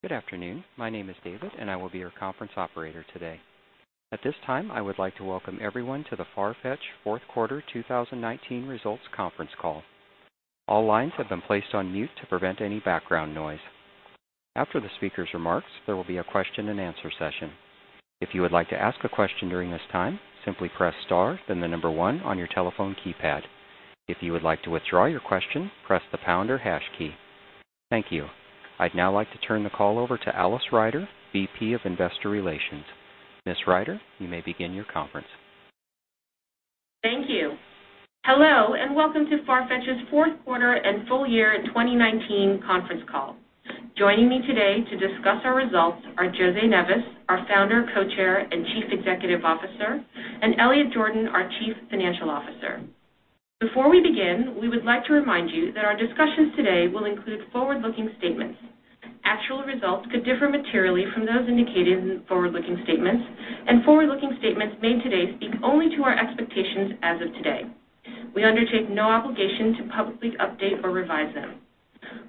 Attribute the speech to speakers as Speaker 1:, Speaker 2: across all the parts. Speaker 1: Good afternoon. My name is David, and I will be your conference operator today. At this time, I would like to welcome everyone to the Farfetch fourth quarter 2019 results conference call. All lines have been placed on mute to prevent any background noise. After the speaker's remarks, there will be a question and answer session. If you would like to ask a question during this time, simply press star then the number one on your telephone keypad. If you would like to withdraw your question, press the pound or hash key. Thank you. I'd now like to turn the call over to Alice Ryder, VP of Investor Relations. Ms. Ryder, you may begin your conference.
Speaker 2: Thank you. Hello, and welcome to Farfetch's fourth quarter and full year 2019 conference call. Joining me today to discuss our results are José Neves, our founder, co-chair, and Chief Executive Officer, and Elliot Jordan, our Chief Financial Officer. Before we begin, we would like to remind you that our discussions today will include forward-looking statements. Actual results could differ materially from those indicated in forward-looking statements, and forward-looking statements made today speak only to our expectations as of today. We undertake no obligation to publicly update or revise them.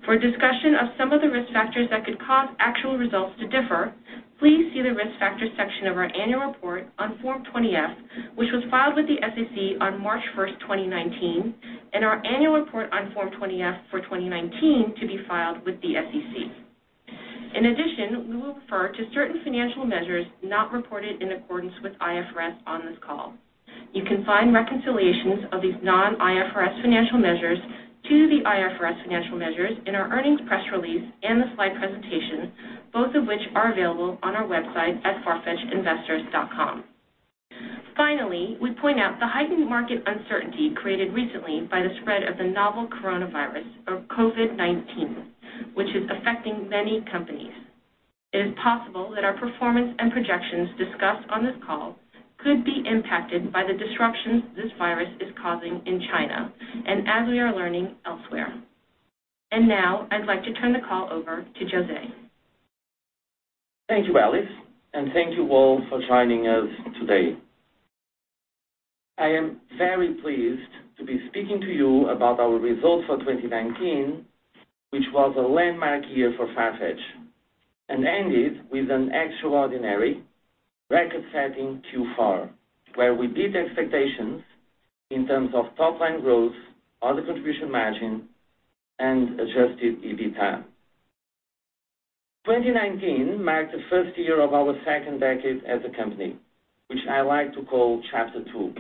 Speaker 2: For a discussion of some of the risk factors that could cause actual results to differ, please see the Risk Factors section of our annual report on Form 20-F, which was filed with the SEC on March 1st, 2019, and our annual report on Form 20-F for 2019 to be filed with the SEC. In addition, we will refer to certain financial measures not reported in accordance with IFRS on this call. You can find reconciliations of these non-IFRS financial measures to the IFRS financial measures in our earnings press release and the slide presentation, both of which are available on our website at farfetchinvestors.com. Finally, we point out the heightened market uncertainty created recently by the spread of the novel coronavirus, or COVID-19, which is affecting many companies. It is possible that our performance and projections discussed on this call could be impacted by the disruptions this virus is causing in China and, as we are learning, elsewhere. Now, I'd like to turn the call over to José.
Speaker 3: Thank you, Alice, and thank you all for joining us today. I am very pleased to be speaking to you about our results for 2019, which was a landmark year for Farfetch and ended with an extraordinary record-setting Q4, where we beat expectations in terms of top-line growth, order contribution margin, and Adjusted EBITDA. 2019 marked the first year of our second decade as a company, which I like to call Chapter Two,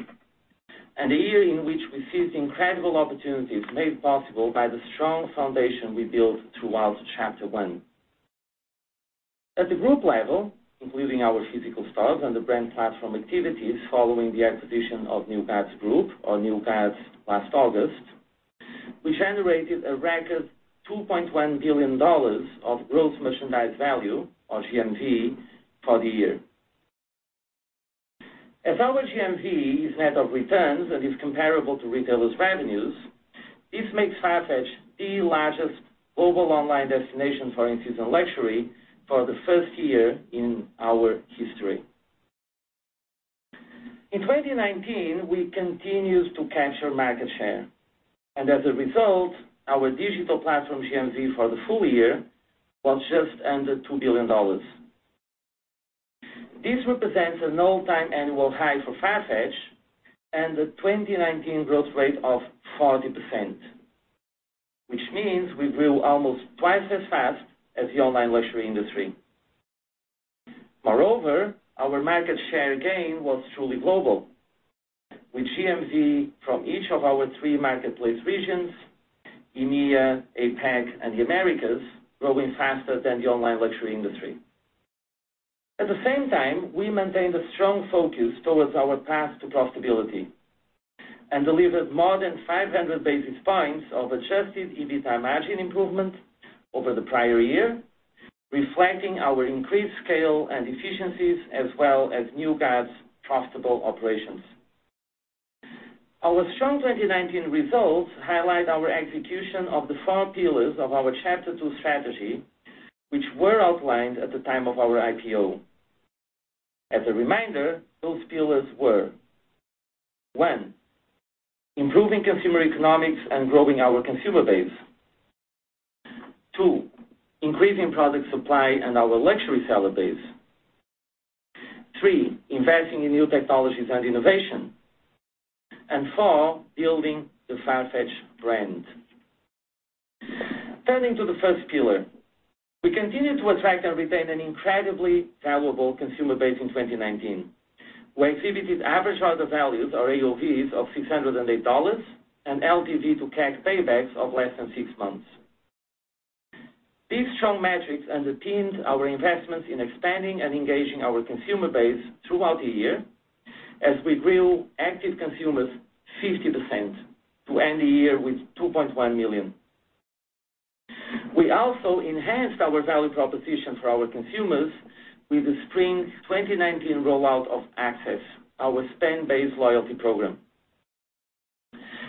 Speaker 3: and a year in which we seized incredible opportunities made possible by the strong foundation we built throughout Chapter One. At the group level, including our physical stores and the Brand Platform activities following the acquisition of New Guards Group, or New Guards, last August, we generated a record $2.1 billion of gross merchandise value, or GMV, for the year. As our GMV is net of returns and is comparable to retailers' revenues, this makes Farfetch the largest global online destination for in-season luxury for the first year in our history. In 2019, we continued to capture market share. As a result, our Digital Platform GMV for the full year was just under $2 billion. This represents an all-time annual high for Farfetch and a 2019 growth rate of 40%, which means we grew almost twice as fast as the online luxury industry. Moreover, our market share gain was truly global, with GMV from each of our three marketplace regions, EMEA, APAC, and the Americas, growing faster than the online luxury industry. At the same time, we maintained a strong focus towards our path to profitability and delivered more than 500 basis points of Adjusted EBITDA margin improvement over the prior year, reflecting our increased scale and efficiencies, as well as New Guards' profitable operations. Our strong 2019 results highlight our execution of the four pillars of our Chapter Two strategy, which were outlined at the time of our IPO. As a reminder, those pillars were, one, improving consumer economics and growing our consumer base. Two, increasing product supply and our luxury seller base. Three, investing in new technologies and innovation. Four, building the Farfetch brand. Turning to the first pillar, we continued to attract and retain an incredibly valuable consumer base in 2019. We exhibited average order values, or AOVs, of $608 and LTV-to-CAC paybacks of less than six months. These strong metrics underpinned our investments in expanding and engaging our consumer base throughout the year as we grew active consumers 50% to end the year with 2.1 million. We also enhanced our value proposition for our consumers with the Spring 2019 rollout of Access, our spend-based loyalty program.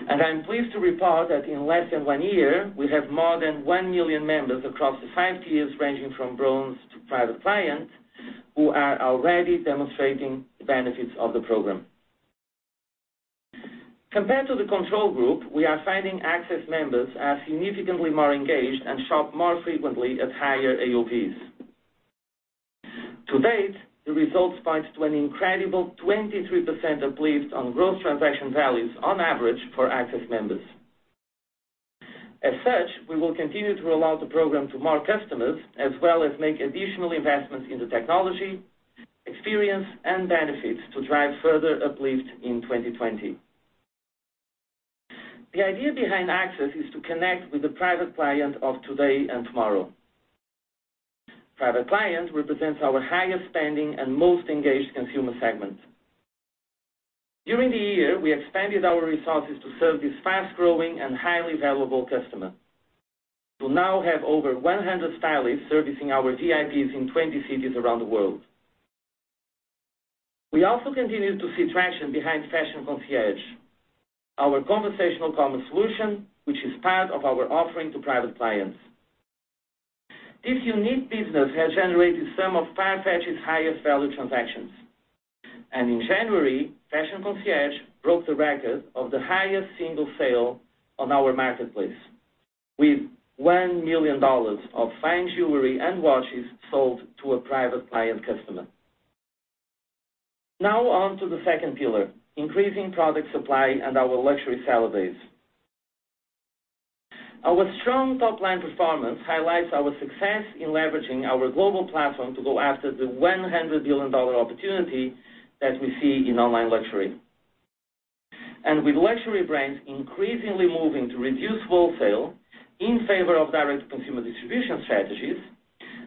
Speaker 3: I'm pleased to report that in less than one year, we have more than one million members across the five tiers, ranging from Bronze to Private Client, who are already demonstrating the benefits of the program. Compared to the control group, we are finding Access members are significantly more engaged and shop more frequently at higher AOVs. To date, the results point to an incredible 23% uplift on growth transaction values on average for Access members. As such, we will continue to roll out the program to more customers, as well as make additional investments in the technology, experience, and benefits to drive further uplift in 2020. The idea behind Access is to connect with the Private Client of today and tomorrow. Private Clients represents our highest spending and most engaged consumer segment. During the year, we expanded our resources to serve these fast-growing and highly valuable customer. We now have over 100 stylists servicing our VIPs in 20 cities around the world. We also continue to see traction behind Fashion Concierge, our conversational commerce solution, which is part of our offering to Private Clients. This unique business has generated some of Farfetch's highest-value transactions. In January, Fashion Concierge broke the record of the highest single sale on our marketplace, with $1 million of fine jewelry and watches sold to a Private Client customer. Now on to the second pillar, increasing product supply and our luxury seller base. Our strong top-line performance highlights our success in leveraging our global platform to go after the $100 million opportunity that we see in online luxury. With luxury brands increasingly moving to reduce wholesale in favor of direct-to-consumer distribution strategies,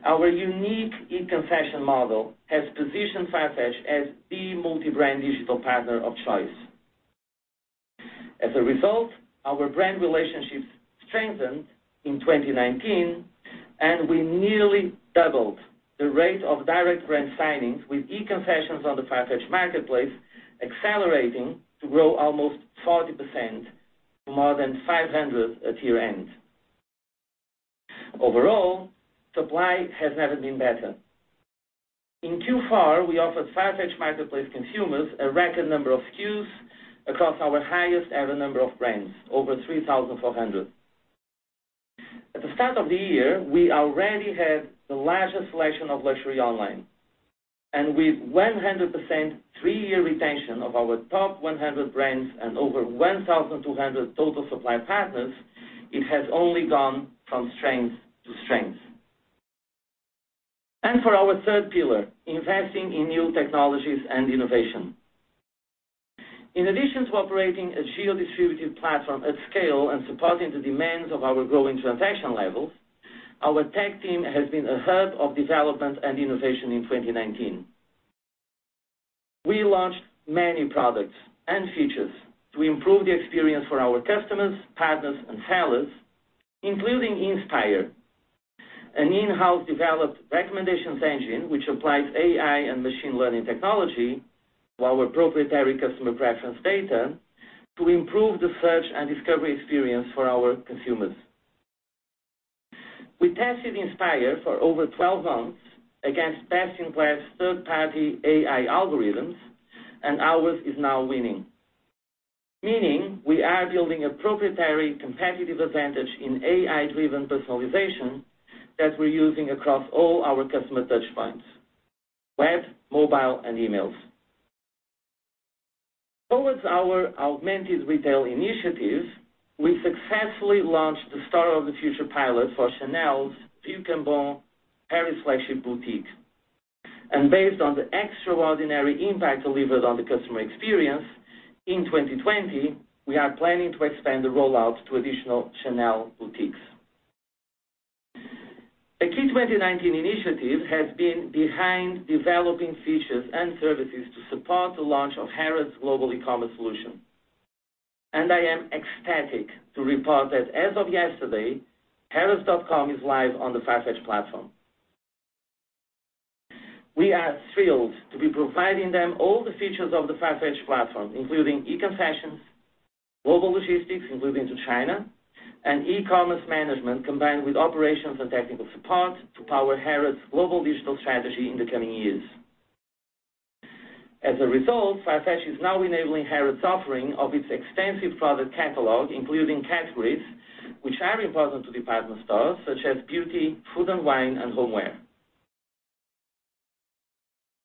Speaker 3: our unique e-concession model has positioned Farfetch as the multi-brand digital partner of choice. As a result, our brand relationships strengthened in 2019, and we nearly doubled the rate of direct brand signings with e-concessions on the Farfetch marketplace, accelerating to grow almost 40% to more than 500 at year-end. Overall, supply has never been better. In Q4, we offered Farfetch marketplace consumers a record number of SKUs across our highest-ever number of brands, over 3,400. At the start of the year, we already had the largest selection of luxury online. With 100% three-year retention of our top 100 brands and over 1,200 total supply partners, it has only gone from strength to strength. For our third pillar, investing in new technologies and innovation. In addition to operating a geo-distributed platform at scale and supporting the demands of our growing transaction levels, our tech team has been a hub of development and innovation in 2019. We launched many products and features to improve the experience for our customers, partners, and sellers, including Inspire, an in-house developed recommendations engine which applies AI and machine learning technology, while proprietary customer preference data, to improve the search and discovery experience for our consumers. We tested Inspire for over 12 months against best-in-class third-party AI algorithms, and ours is now winning. Meaning we are building a proprietary competitive advantage in AI-driven personalization that we're using across all our customer touchpoints, web, mobile, and emails. Towards our augmented retail initiatives, we successfully launched the store of the future pilot for Chanel's Rue Cambon Paris flagship boutique. Based on the extraordinary impact delivered on the customer experience in 2020, we are planning to expand the rollout to additional Chanel boutiques. A key 2019 initiative has been behind developing features and services to support the launch of Harrods' global e-commerce solution. I am ecstatic to report that as of yesterday, harrods.com is live on the Farfetch Platform. We are thrilled to be providing them all the features of the Farfetch Platform, including e-concessions, global logistics, including to China, and e-commerce management, combined with operations and technical support to power Harrods' global digital strategy in the coming years. As a result, Farfetch is now enabling Harrods' offering of its extensive product catalog, including categories which are important to department stores such as Beauty, Food & Wine, and Homeware.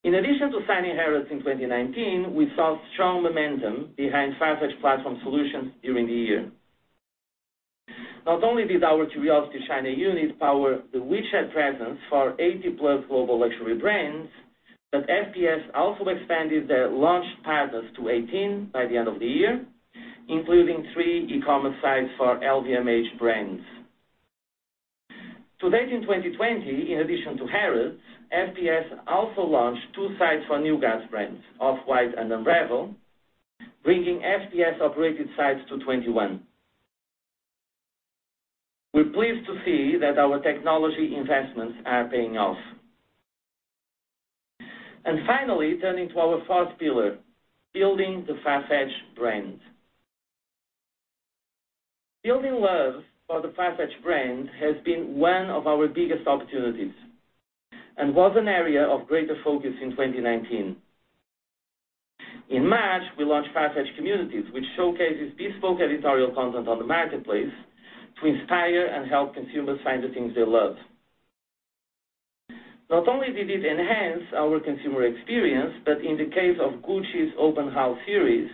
Speaker 3: In addition to signing Harrods in 2019, we saw strong momentum behind Farfetch Platform Solutions during the year. Not only did our CuriosityChina unit power the WeChat presence for 80+ global luxury brands, but FPS also expanded their launch partners to 18 by the end of the year, including three e-commerce sites for LVMH brands. To date, in 2020, in addition to Harrods, FPS also launched two sites for New Guards brands, Off-White and Unravel, bringing FPS-operated sites to 21. We're pleased to see that our technology investments are paying off. Finally, turning to our fourth pillar, building the Farfetch brand. Building love for the Farfetch brand has been one of our biggest opportunities and was an area of greater focus in 2019. In March, we launched Farfetch Communities, which showcases bespoke editorial content on the marketplace to inspire and help consumers find the things they love. Not only did it enhance our consumer experience, but in the case of Gucci's Open House series,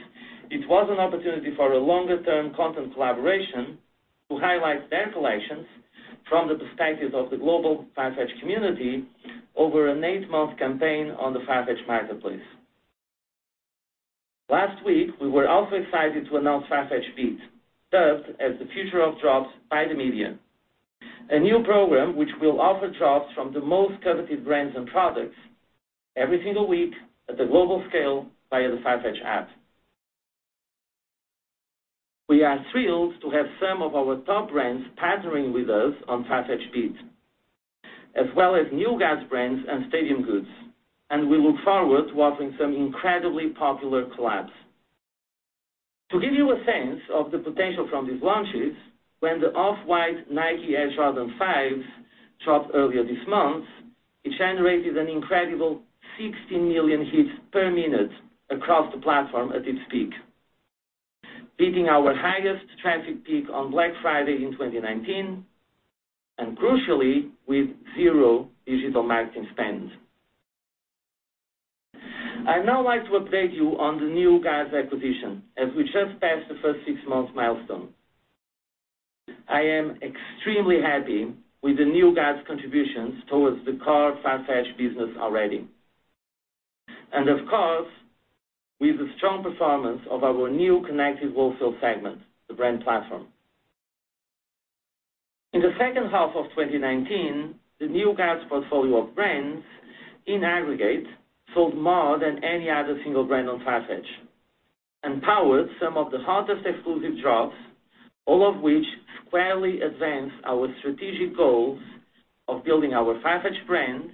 Speaker 3: it was an opportunity for a longer-term content collaboration to highlight their collections from the perspective of the global Farfetch community over an eight-month campaign on the Farfetch marketplace. Last week, we were also excited to announce FARFETCH BEAT, dubbed as the future of drops by the media. A new program which will offer drops from the most coveted brands and products every single week at the global scale via the Farfetch app. We are thrilled to have some of our top brands partnering with us on FARFETCH BEAT. As well as New Guards brands and Stadium Goods, and we look forward to offering some incredibly popular collabs. To give you a sense of the potential from these launches, when the Off-White Nike Air Jordan 5 dropped earlier this month, it generated an incredible 16 million hits per minute across the platform at its peak, beating our highest traffic peak on Black Friday in 2019, and crucially, with zero digital marketing spend. I'd now like to update you on the New Guards acquisition as we just passed the first six months milestone. I am extremely happy with the New Guards contributions towards the core Farfetch business already. Of course, with the strong performance of our new connected wholesale segment, The Brand Platform. In the second half of 2019, the New Guards portfolio of brands in aggregate sold more than any other single brand on Farfetch and powered some of the hottest exclusive drops, all of which squarely advance our strategic goals of building our Farfetch brand,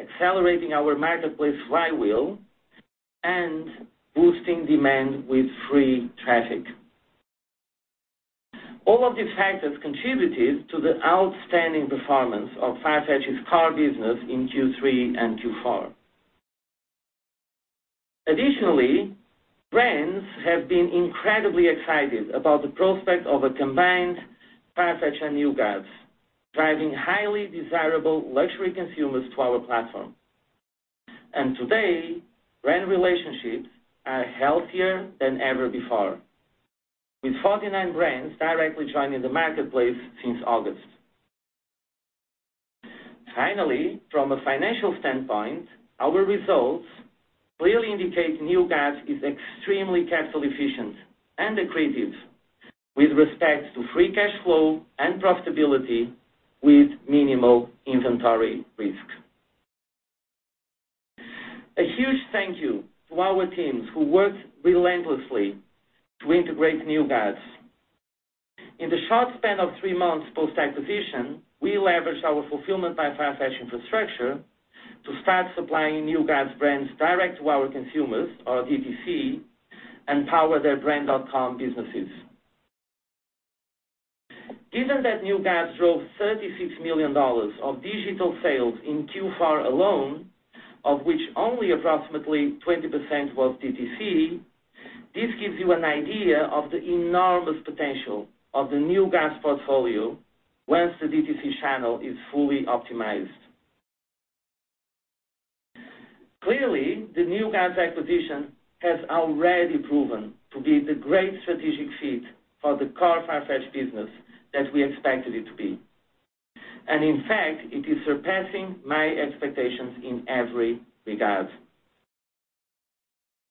Speaker 3: accelerating our marketplace flywheel, and boosting demand with free traffic. All of these factors contributed to the outstanding performance of Farfetch's core business in Q3 and Q4. Additionally, brands have been incredibly excited about the prospect of a combined Farfetch and New Guards, driving highly desirable luxury consumers to our platform. Today, brand relationships are healthier than ever before, with 49 brands directly joining the marketplace since August. Finally, from a financial standpoint, our results clearly indicate New Guards is extremely capital efficient and accretive with respect to free cash flow and profitability with minimal inventory risk. A huge thank you to our teams who worked relentlessly to integrate New Guards. In the short span of three months post-acquisition, we leveraged our Fulfilment by Farfetch infrastructure to start supplying New Guards brands direct to our consumers or DTC and power their brand.com businesses. Given that New Guards drove $36 million of digital sales in Q4 alone, of which only approximately 20% was DTC, this gives you an idea of the enormous potential of the New Guards portfolio once the DTC channel is fully optimized. Clearly, the New Guards acquisition has already proven to be the great strategic fit for the core Farfetch business that we expected it to be. In fact, it is surpassing my expectations in every regard.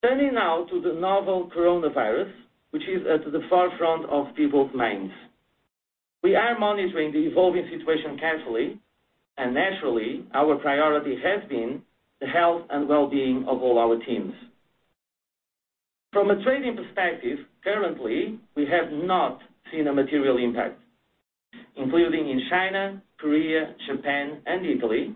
Speaker 3: Turning now to the novel coronavirus, which is at the forefront of people's minds. We are monitoring the evolving situation carefully. Naturally, our priority has been the health and well-being of all our teams. From a trading perspective, currently, we have not seen a material impact, including in China, Korea, Japan, and Italy,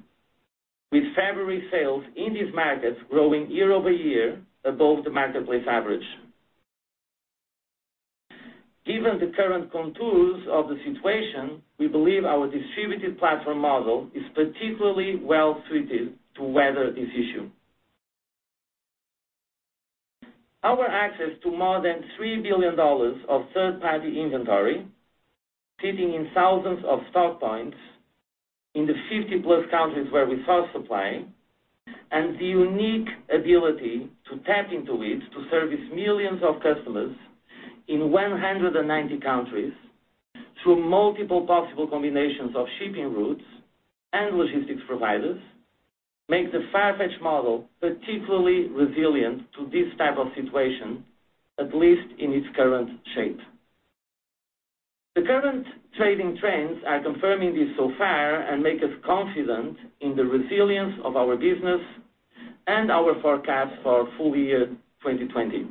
Speaker 3: with February sales in these markets growing year-over-year above the marketplace average. Given the current contours of the situation, we believe our distributed platform model is particularly well-suited to weather this issue. Our access to more than $3 billion of third-party inventory sitting in thousands of stock points in the 50+ countries where we source supply, and the unique ability to tap into it to service millions of customers in 190 countries through multiple possible combinations of shipping routes and logistics providers, makes the Farfetch model particularly resilient to this type of situation, at least in its current shape. The current trading trends are confirming this so far and make us confident in the resilience of our business and our forecast for full year 2020.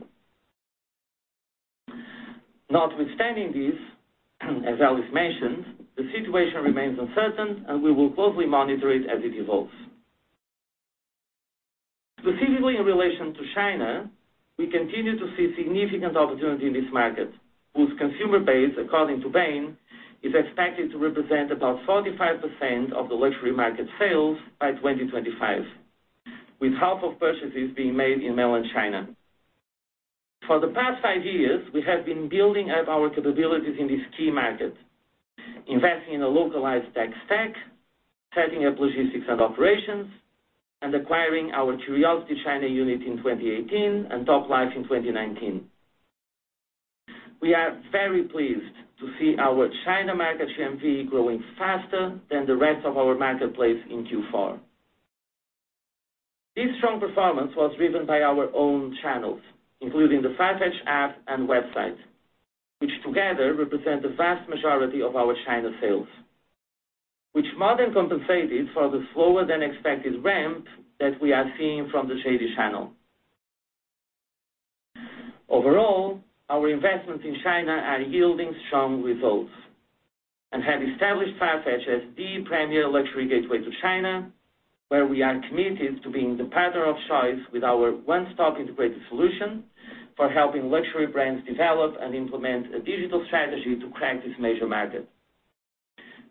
Speaker 3: Notwithstanding this, as Alice mentioned, the situation remains uncertain and we will closely monitor it as it evolves. Specifically in relation to China, we continue to see significant opportunity in this market, whose consumer base, according to Bain, is expected to represent about 45% of the luxury market sales by 2025, with half of purchases being made in mainland China. For the past five years, we have been building up our capabilities in this key market, investing in a localized tech stack, setting up logistics and operations, and acquiring our CuriosityChina unit in 2018 and Toplife in 2019. We are very pleased to see our China market GMV growing faster than the rest of our marketplace in Q4. This strong performance was driven by our own channels, including the Farfetch app and website, which together represent the vast majority of our China sales, which more than compensated for the slower than expected ramp that we are seeing from the JD channel. Overall, our investments in China are yielding strong results and have established Farfetch as the premier luxury gateway to China, where we are committed to being the partner of choice with our one-stop integrated solution for helping luxury brands develop and implement a digital strategy to crack this major market.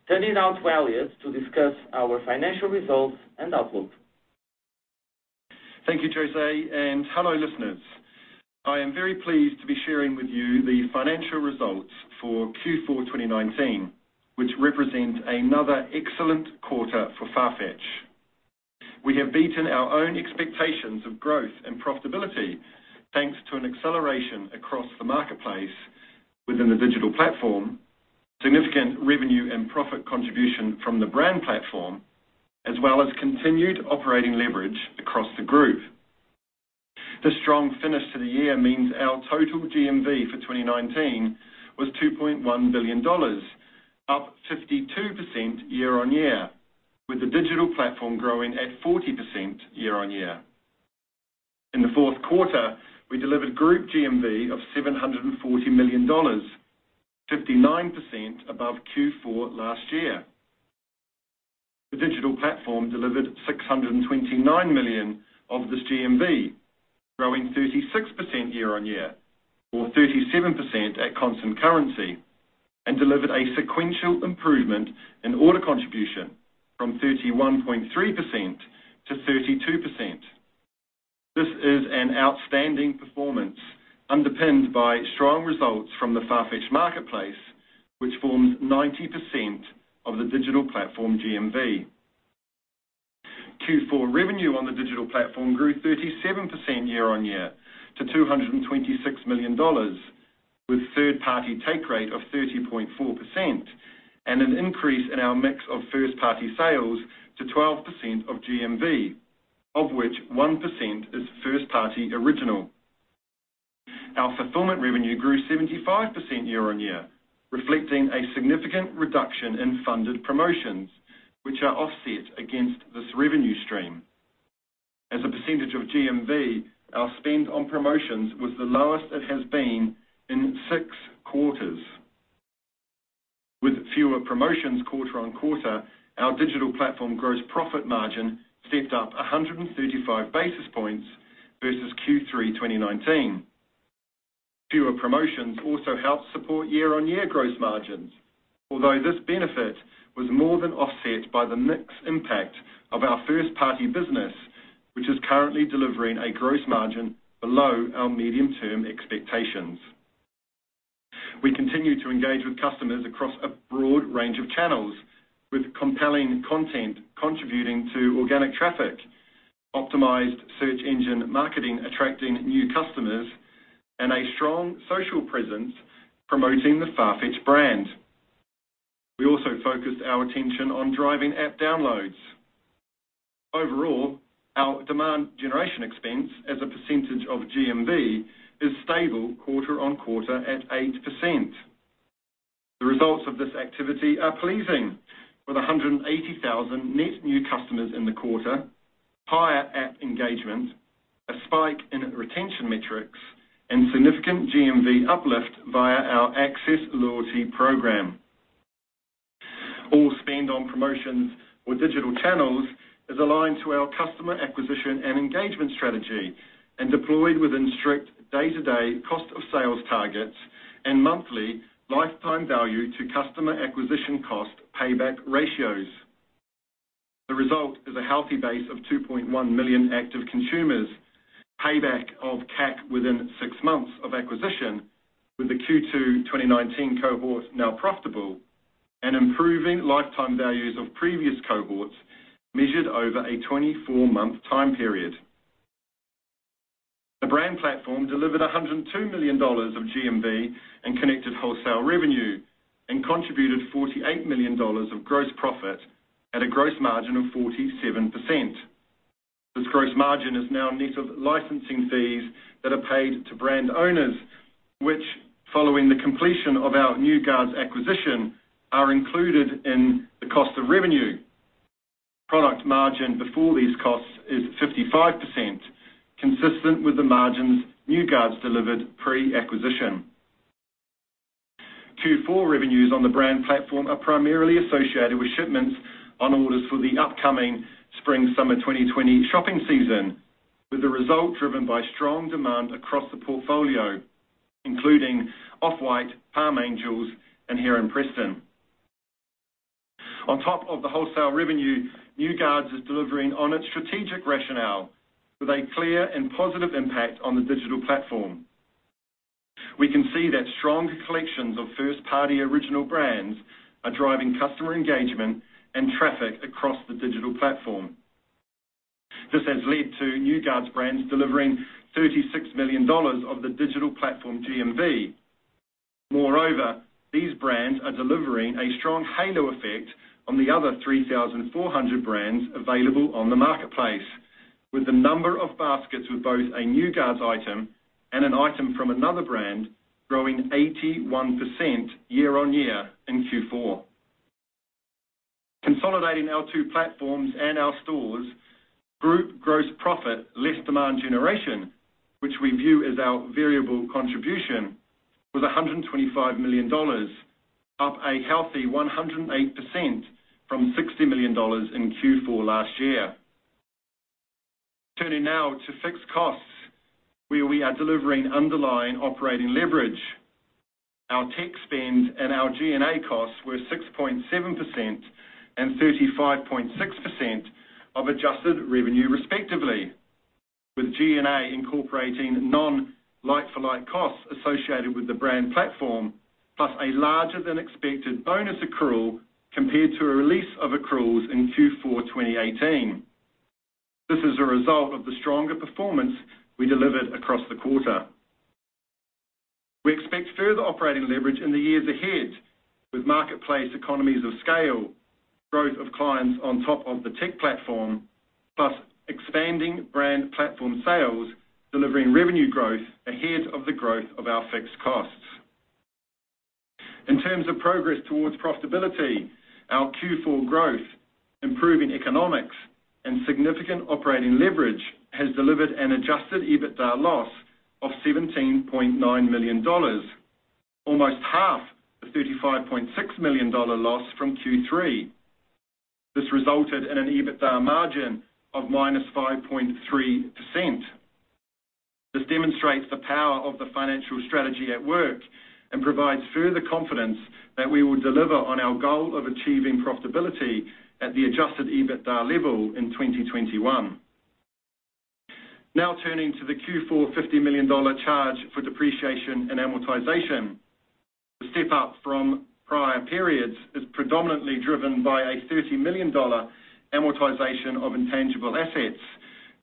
Speaker 3: Turning now to Elliot to discuss our financial results and outlook.
Speaker 4: Thank you, José, and hello, listeners. I am very pleased to be sharing with you the financial results for Q4 2019, which represents another excellent quarter for Farfetch. We have beaten our own expectations of growth and profitability, thanks to an acceleration across the marketplace within the Digital Platform, significant revenue and profit contribution from the Brand Platform, as well as continued operating leverage across the group. The strong finish to the year means our total GMV for 2019 was $2.1 billion, up 52% year-on-year, with the Digital Platform growing at 40% year-on-year. In the fourth quarter, we delivered group GMV of $740 million, 59% above Q4 last year. The Digital Platform delivered $629 million of this GMV, growing 36% year-on-year or 37% at constant currency, and delivered a sequential improvement in order contribution from 31.3% to 32%. This is an outstanding performance underpinned by strong results from the Farfetch marketplace, which forms 90% of the Digital Platform GMV. Q4 revenue on the Digital Platform grew 37% year-on-year to $226 million, with third-party take rate of 30.4% and an increase in our mix of first-party sales to 12% of GMV, of which 1% is first-party original. Our fulfillment revenue grew 75% year-on-year, reflecting a significant reduction in funded promotions, which are offset against this revenue stream. As a percentage of GMV, our spend on promotions was the lowest it has been in six quarters. With fewer promotions quarter-on-quarter, our Digital Platform gross profit margin stepped up 135 basis points versus Q3 2019. Fewer promotions also helped support year-on-year gross margins, although this benefit was more than offset by the mix impact of our first-party business, which is currently delivering a gross margin below our medium-term expectations. We continue to engage with customers across a broad range of channels, with compelling content contributing to organic traffic, optimized search engine marketing attracting new customers, and a strong social presence promoting the Farfetch brand. We also focused our attention on driving app downloads. Overall, our demand generation expense as a percentage of GMV is stable quarter-on-quarter at 8%. The results of this activity are pleasing, with 180,000 net new customers in the quarter, higher app engagement, a spike in retention metrics, and significant GMV uplift via our Access loyalty program. All spend on promotions with digital channels is aligned to our customer acquisition and engagement strategy and deployed within strict day-to-day cost of sales targets and monthly lifetime value to customer acquisition cost payback ratios. The result is a healthy base of 2.1 million active consumers, payback of CAC within six months of acquisition, with the Q2 2019 cohort now profitable, and improving lifetime values of previous cohorts measured over a 24-month time period. The Brand Platform delivered $102 million of GMV and connected wholesale revenue and contributed $48 million of gross profit at a gross margin of 47%. This gross margin is now net of licensing fees that are paid to brand owners, which, following the completion of our New Guards acquisition, are included in the cost of revenue. Product margin before these costs is 55%, consistent with the margins New Guards delivered pre-acquisition. Q4 revenues on the Brand Platform are primarily associated with shipments on orders for the upcoming spring-summer 2020 shopping season, with the result driven by strong demand across the portfolio, including Off-White, Palm Angels, and Heron Preston. On top of the wholesale revenue, New Guards is delivering on its strategic rationale with a clear and positive impact on the Digital Platform. We can see that strong collections of first-party original brands are driving customer engagement and traffic across the Digital Platform. This has led to New Guards brands delivering $36 million of the Digital Platform GMV. Moreover, these brands are delivering a strong halo effect on the other 3,400 brands available on the marketplace, with the number of baskets with both a New Guards item and an item from another brand growing 81% year-on-year in Q4. Consolidating our two platforms and our stores, group gross profit less demand generation, which we view as our variable contribution, was $125 million, up a healthy 108% from $60 million in Q4 last year. Turning now to fixed costs, where we are delivering underlying operating leverage. Our tech spend and our G&A costs were 6.7% and 35.6% of adjusted revenue respectively, with G&A incorporating non-like for like costs associated with the Brand Platform, plus a larger-than-expected bonus accrual compared to a release of accruals in Q4 2018. This is a result of the stronger performance we delivered across the quarter. We expect further operating leverage in the years ahead with marketplace economies of scale, growth of clients on top of the Tech Platform, plus expanding Brand Platform sales delivering revenue growth ahead of the growth of our fixed costs. In terms of progress towards profitability, our Q4 growth, improving economics, and significant operating leverage has delivered an Adjusted EBITDA loss of $17.9 million, almost half the $35.6 million loss from Q3. This resulted in an EBITDA margin of -5.3%. This demonstrates the power of the financial strategy at work and provides further confidence that we will deliver on our goal of achieving profitability at the Adjusted EBITDA level in 2021. Now turning to the Q4 $50 million charge for depreciation and amortization. The step-up from prior periods is predominantly driven by a $30 million amortization of intangible assets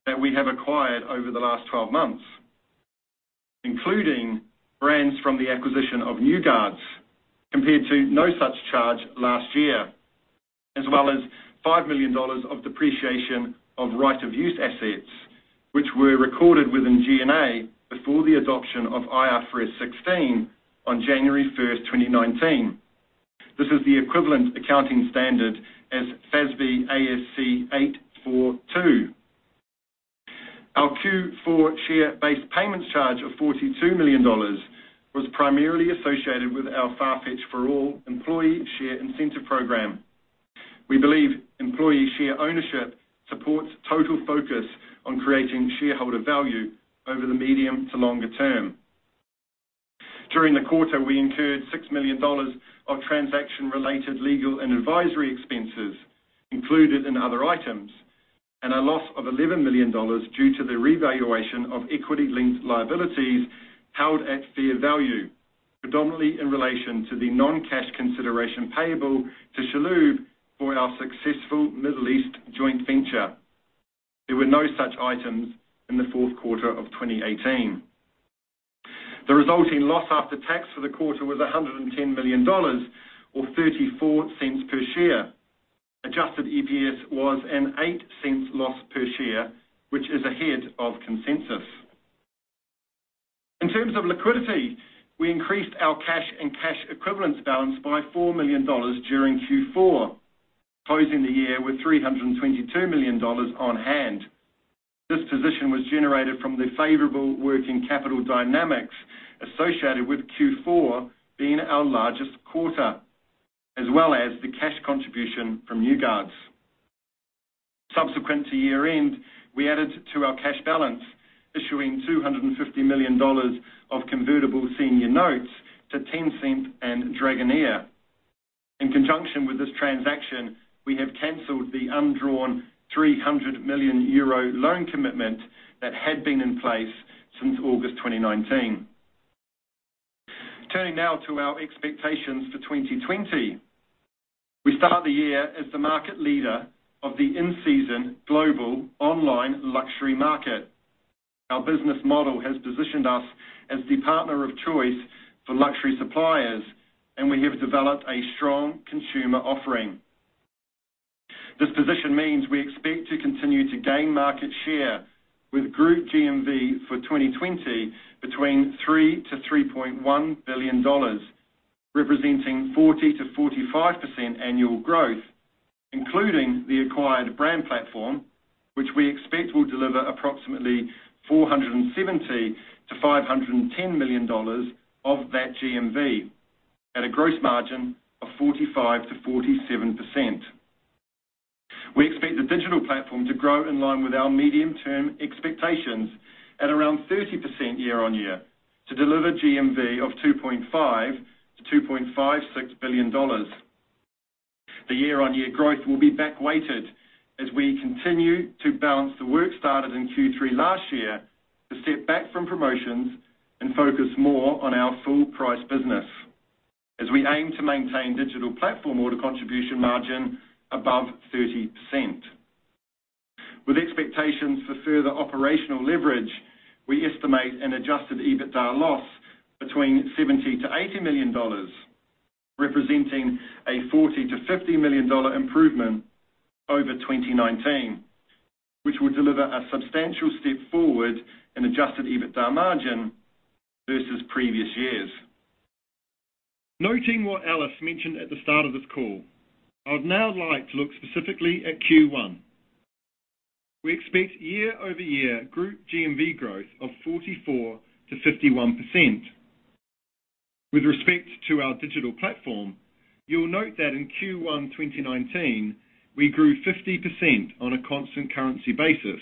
Speaker 4: that we have acquired over the last 12 months, including brands from the acquisition of New Guards, compared to no such charge last year, as well as $5 million of depreciation of right of use assets, which were recorded within G&A before the adoption of IFRS 16 on January 1st, 2019. This is the equivalent accounting standard as FASB ASC 842. Our Q4 share-based payment charge of $42 million was primarily associated with our Farfetch For All employee share incentive program. We believe employee share ownership supports total focus on creating shareholder value over the medium-to-longer term. During the quarter, we incurred $6 million of transaction-related legal and advisory expenses included in other items, and a loss of $11 million due to the revaluation of equity linked liabilities held at fair value, predominantly in relation to the non-cash consideration payable to Chalhoub for our successful Middle East joint venture. There were no such items in the fourth quarter of 2018. The resulting loss after tax for the quarter was $110 million or $0.34 per share. Adjusted EPS was an $0.08 loss per share, which is ahead of consensus. In terms of liquidity, we increased our cash and cash equivalents balance by $4 million during Q4, closing the year with $322 million on hand. This position was generated from the favorable working capital dynamics associated with Q4 being our largest quarter, as well as the cash contribution from New Guards. Subsequent to year-end, we added to our cash balance, issuing $250 million of convertible senior notes to Tencent and Dragoneer. In conjunction with this transaction, we have canceled the undrawn €300 million loan commitment that had been in place since August 2019. Turning now to our expectations for 2020. We start the year as the market leader of the in-season global online luxury market. Our business model has positioned us as the partner of choice for luxury suppliers, and we have developed a strong consumer offering. This position means we expect to continue to gain market share with Group GMV for 2020 between $3 billion-$3.1 billion, representing 40%-45% annual growth, including the acquired Brand Platform, which we expect will deliver approximately $470 million-$510 million of that GMV at a gross margin of 45%-47%. We expect the Digital Platform to grow in line with our medium-term expectations at around 30% year-on-year to deliver GMV of $2.5 billion-$2.56 billion. The year-on-year growth will be back-weighted as we continue to balance the work started in Q3 last year to step back from promotions and focus more on our full-price business as we aim to maintain Digital Platform order contribution margin above 30%. With expectations for further operational leverage, we estimate an Adjusted EBITDA loss between $70 million-$80 million, representing a $40 million-$50 million improvement over 2019, which will deliver a substantial step forward in Adjusted EBITDA margin versus previous years. Noting what Alice mentioned at the start of this call, I would now like to look specifically at Q1. We expect year-over-year group GMV growth of 44%-51%. With respect to our Digital Platform, you'll note that in Q1 2019, we grew 50% on a constant currency basis,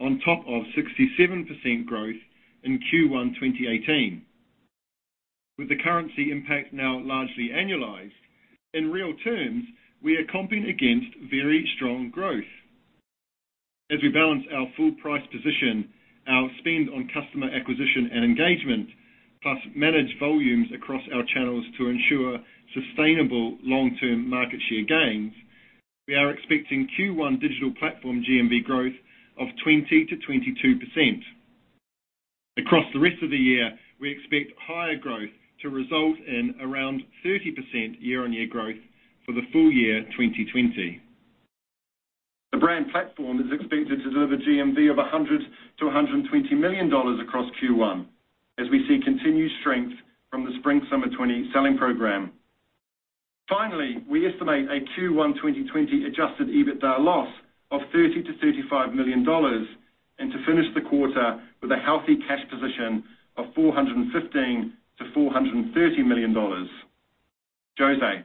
Speaker 4: on top of 67% growth in Q1 2018. With the currency impact now largely annualized, in real terms, we are comping against very strong growth. As we balance our full price position, our spend on customer acquisition and engagement, plus manage volumes across our channels to ensure sustainable long-term market share gains, we are expecting Q1 Digital Platform GMV growth of 20%-22%. Across the rest of the year, we expect higher growth to result in around 30% year-on-year growth for the full year 2020. The Brand Platform is expected to deliver GMV of $100 million-$120 million across Q1 as we see continued strength from the spring/summer 2020 selling program. Finally, we estimate a Q1 2020 Adjusted EBITDA loss of $30 million-$35 million, and to finish the quarter with a healthy cash position of $415 million-$430 million. José.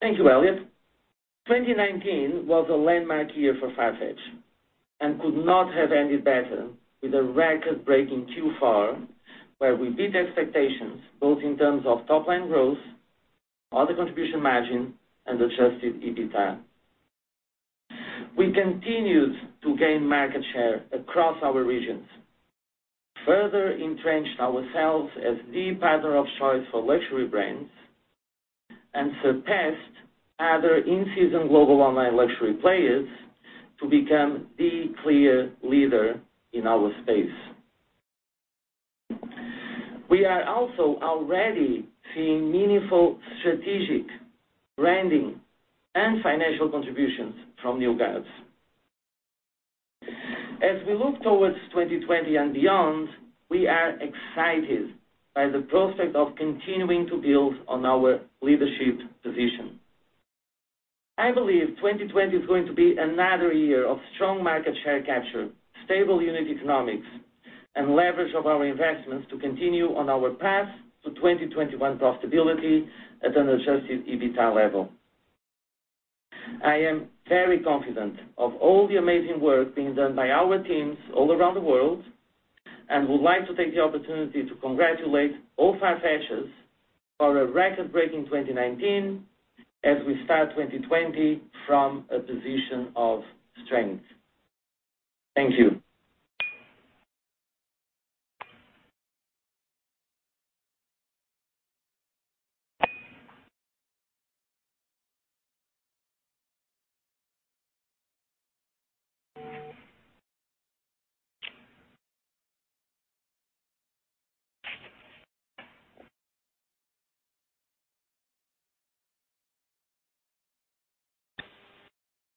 Speaker 3: Thank you, Elliot. 2019 was a landmark year for Farfetch and could not have ended better with a record-breaking Q4, where we beat expectations both in terms of top-line growth, order contribution margin, and Adjusted EBITDA. We continued to gain market share across our regions, further entrenched ourselves as the partner of choice for luxury brands, and surpassed other in-season global online luxury players to become the clear leader in our space. We are also already seeing meaningful strategic branding and financial contributions from New Guards. As we look towards 2020 and beyond, we are excited by the prospect of continuing to build on our leadership position. I believe 2020 is going to be another year of strong market share capture, stable unit economics, and leverage of our investments to continue on our path to 2021 profitability at an Adjusted EBITDA level. I am very confident of all the amazing work being done by our teams all around the world and would like to take the opportunity to congratulate all Farfetchers for a record-breaking 2019 as we start 2020 from a position of strength. Thank you.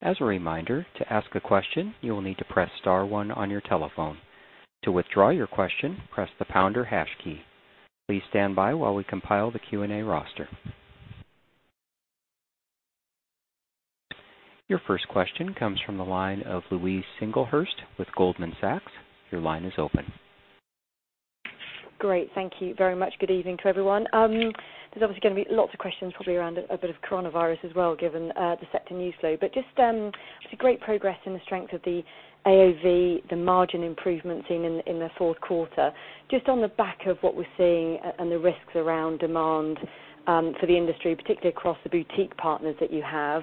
Speaker 1: As a reminder, to ask a question, you will need to press star one on your telephone. To withdraw your question, press the pound or hash key. Please stand by while we compile the Q&A roster. Your first question comes from the line of Louise Singlehurst with Goldman Sachs. Your line is open.
Speaker 5: Great. Thank you very much. Good evening to everyone. There's obviously going to be lots of questions probably around a bit of coronavirus as well, given the sector news flow. Just, it's a great progress in the strength of the AOV, the margin improvements in the fourth quarter. Just on the back of what we're seeing and the risks around demand for the industry, particularly across the boutique partners that you have,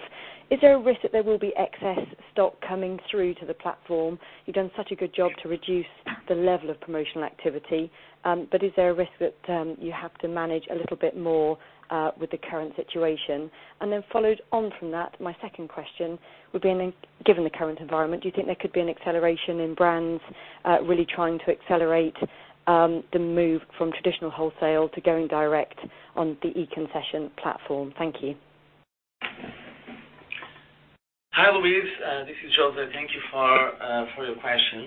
Speaker 5: is there a risk that there will be excess stock coming through to the platform? You've done such a good job to reduce the level of promotional activity, but is there a risk that you have to manage a little bit more with the current situation? Followed on from that, my second question would be, given the current environment, do you think there could be an acceleration in brands really trying to accelerate the move from traditional wholesale to going direct on the e-concession platform? Thank you.
Speaker 3: Hi, Louise. This is José. Thank you for your question.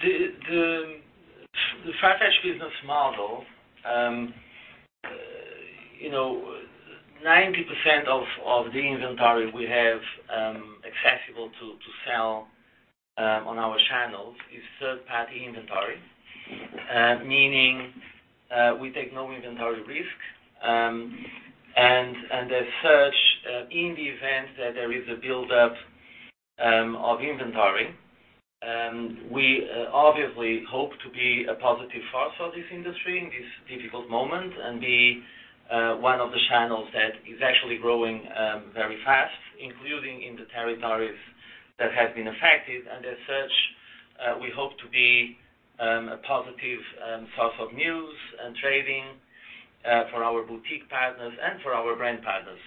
Speaker 3: The Farfetch business model, 90% of the inventory we have accessible to sell on our channels is third-party inventory, meaning we take no inventory risk. As such, in the event that there is a buildup of inventory, we obviously hope to be a positive force for this industry in this difficult moment and be one of the channels that is actually growing very fast, including in the territories that have been affected. As such, we hope to be a positive source of news and trading for our boutique partners and for our brand partners.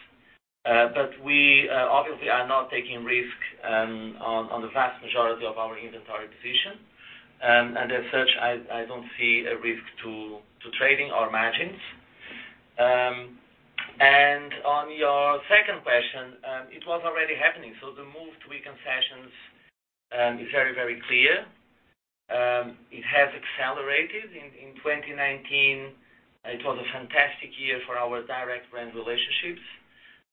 Speaker 3: We obviously are not taking risk on the vast majority of our inventory position. As such, I don't see a risk to trading or margins. On your second question, it was already happening. The move to e-concessions is very clear. It has accelerated. In 2019, it was a fantastic year for our direct brand relationships.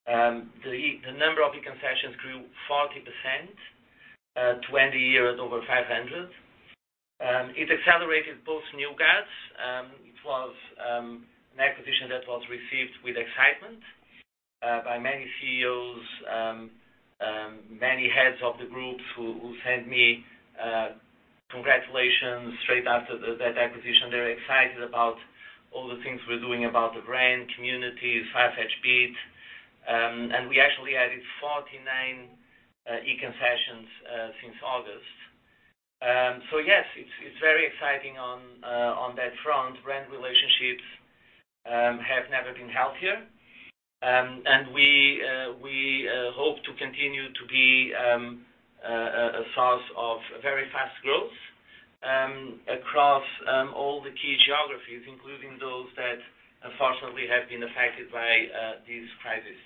Speaker 3: The number of e-concessions grew 40%, to end the year at over 500. It accelerated both New Guards. It was an acquisition that was received with excitement by many CEOs, many heads of the groups who sent me congratulations straight after that acquisition. They're excited about all the things we're doing about the brand, community, FARFETCH BEAT. We actually added 49 e-concessions since August. Yes, it's very exciting on that front. Brand relationships have never been healthier. We hope to continue to be a source of very fast growth across all the key geographies, including those that, unfortunately, have been affected by this crisis.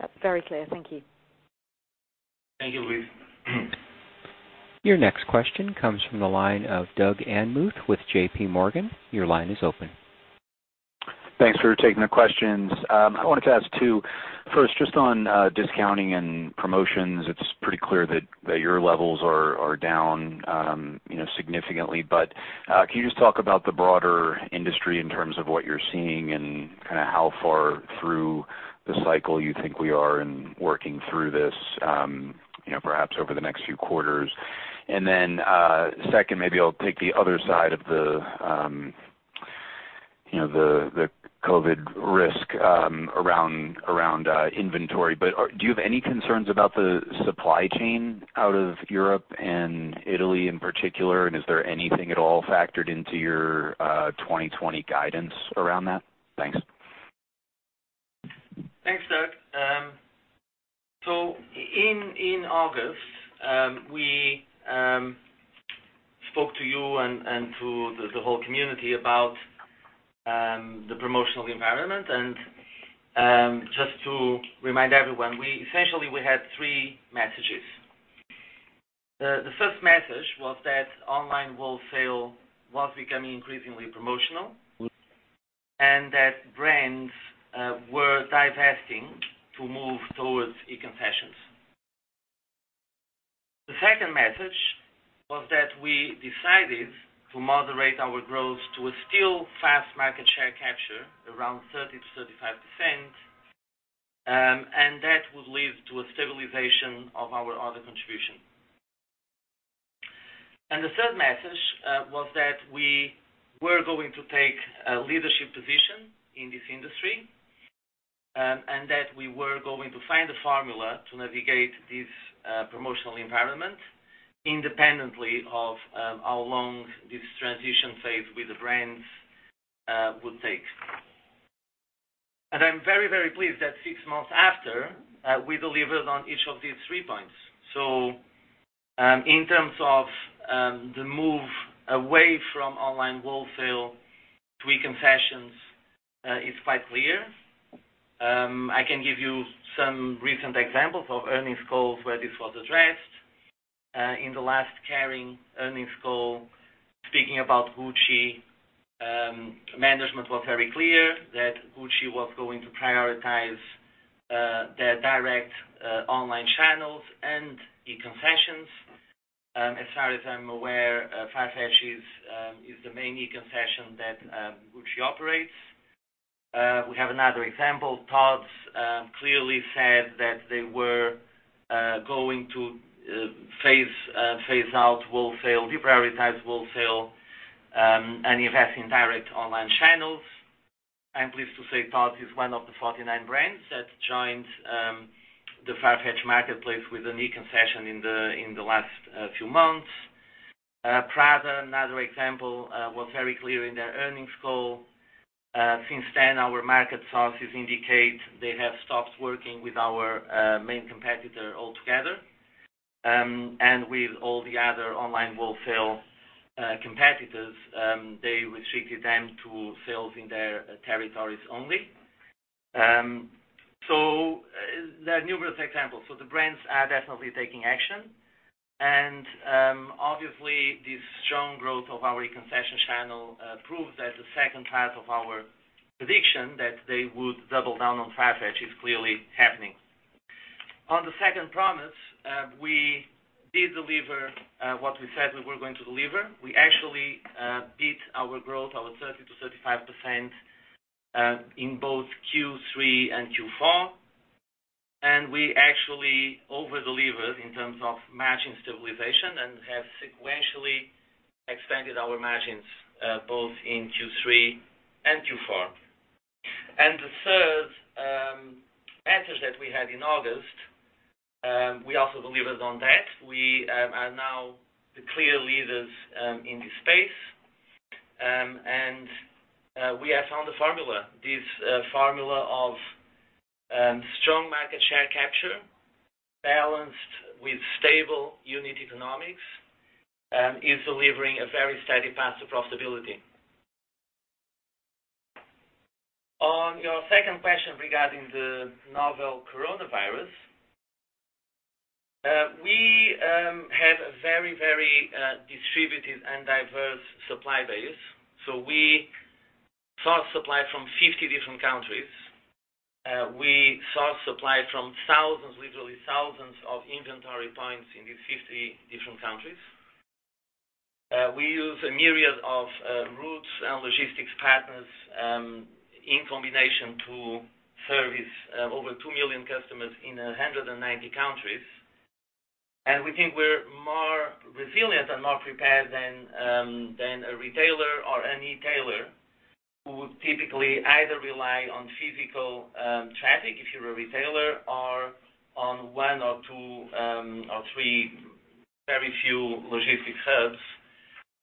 Speaker 5: That's very clear. Thank you.
Speaker 3: Thank you, Louise.
Speaker 1: Your next question comes from the line of Doug Anmuth with JPMorgan. Your line is open.
Speaker 6: Thanks for taking the questions. I wanted to ask two. First, just on discounting and promotions, it's pretty clear that your levels are down significantly. Can you just talk about the broader industry in terms of what you're seeing and how far through the cycle you think we are in working through this perhaps over the next few quarters? Second, maybe I'll take the other side of the COVID risk around inventory. Do you have any concerns about the supply chain out of Europe and Italy in particular? Is there anything at all factored into your 2020 guidance around that? Thanks.
Speaker 3: Thanks, Doug. In August, we spoke to you and to the whole community about the promotional environment. Just to remind everyone, essentially, we had three messages. The first message was that online wholesale was becoming increasingly promotional and that brands were divesting to move towards e-concessions. The second message was that we decided to moderate our growth to a still fast market share capture around 30%-35%, and that would lead to a stabilization of our other contribution. The third message was that we were going to take a leadership position in this industry, and that we were going to find a formula to navigate this promotional environment independently of how long this transition phase with the brands would take. I'm very, very pleased that six months after, we delivered on each of these three points. In terms of the move away from online wholesale to e-concessions is quite clear. I can give you some recent examples of earnings calls where this was addressed. In the last Kering earnings call, speaking about Gucci, management was very clear that Gucci was going to prioritize their direct online channels and e-concessions. As far as I'm aware, Farfetch is the main e-concession that Gucci operates. We have another example. Tod's clearly said that they were going to deprioritize wholesale and invest in direct online channels. I'm pleased to say Tod's is one of the 49 brands that joined the Farfetch marketplace with an e-concession in the last few months. Prada, another example, was very clear in their earnings call. Since then, our market sources indicate they have stopped working with our main competitor altogether. With all the other online wholesale competitors, they restricted them to sales in their territories only. There are numerous examples. The brands are definitely taking action. Obviously this strong growth of our e-concession channel proves that the second half of our prediction that they would double down on Farfetch is clearly happening. On the second promise, we did deliver what we said we were going to deliver. We actually beat our growth of 30% to 35% in both Q3 and Q4, and we actually over-delivered in terms of matching stabilization and have sequentially expanded our margins both in Q3 and Q4. The third answers that we had in August, we also delivered on that. We are now the clear leaders in this space. We have found a formula. This formula of strong market share capture balanced with stable unit economics, is delivering a very steady path to profitability. On your second question regarding the novel coronavirus, we have a very distributed and diverse supply base. We source supply from 50 different countries. We source supply from thousands, literally thousands of inventory points in these 50 different countries. We use a myriad of routes and logistics partners, in combination to service over 2 million customers in 190 countries. We think we're more resilient and more prepared than a retailer or any tailor who would typically either rely on physical traffic, if you're a retailer, or on one or two or three very few logistics hubs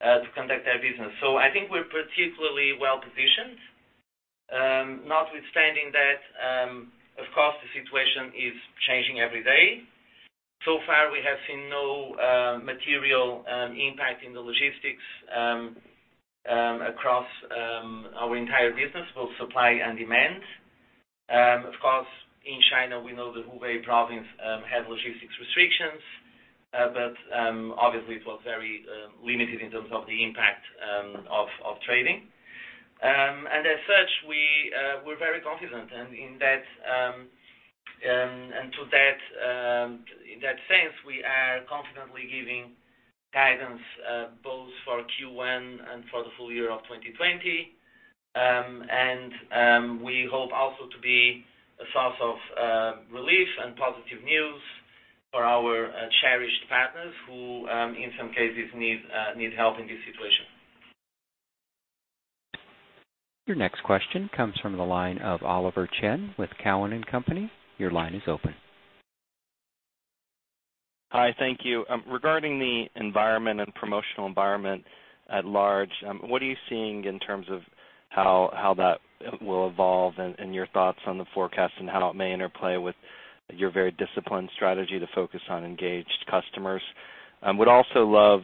Speaker 3: to conduct their business. I think we're particularly well-positioned. Notwithstanding that, of course, the situation is changing every day. So far, we have seen no material impact in the logistics across our entire business, both supply and demand. Of course, in China, we know the Hubei province has logistics restrictions. Obviously it was very limited in terms of the impact of trading. We're very confident. In that sense, we are confidently giving guidance, both for Q1 and for the full year of 2020. We hope also to be a source of relief and positive news for our cherished partners, who, in some cases, need help in this situation.
Speaker 1: Your next question comes from the line of Oliver Chen with Cowen and Company. Your line is open.
Speaker 7: Hi, thank you. Regarding the environment and promotional environment at large, what are you seeing in terms of how that will evolve and your thoughts on the forecast and how it may interplay with your very disciplined strategy to focus on engaged customers? I would also love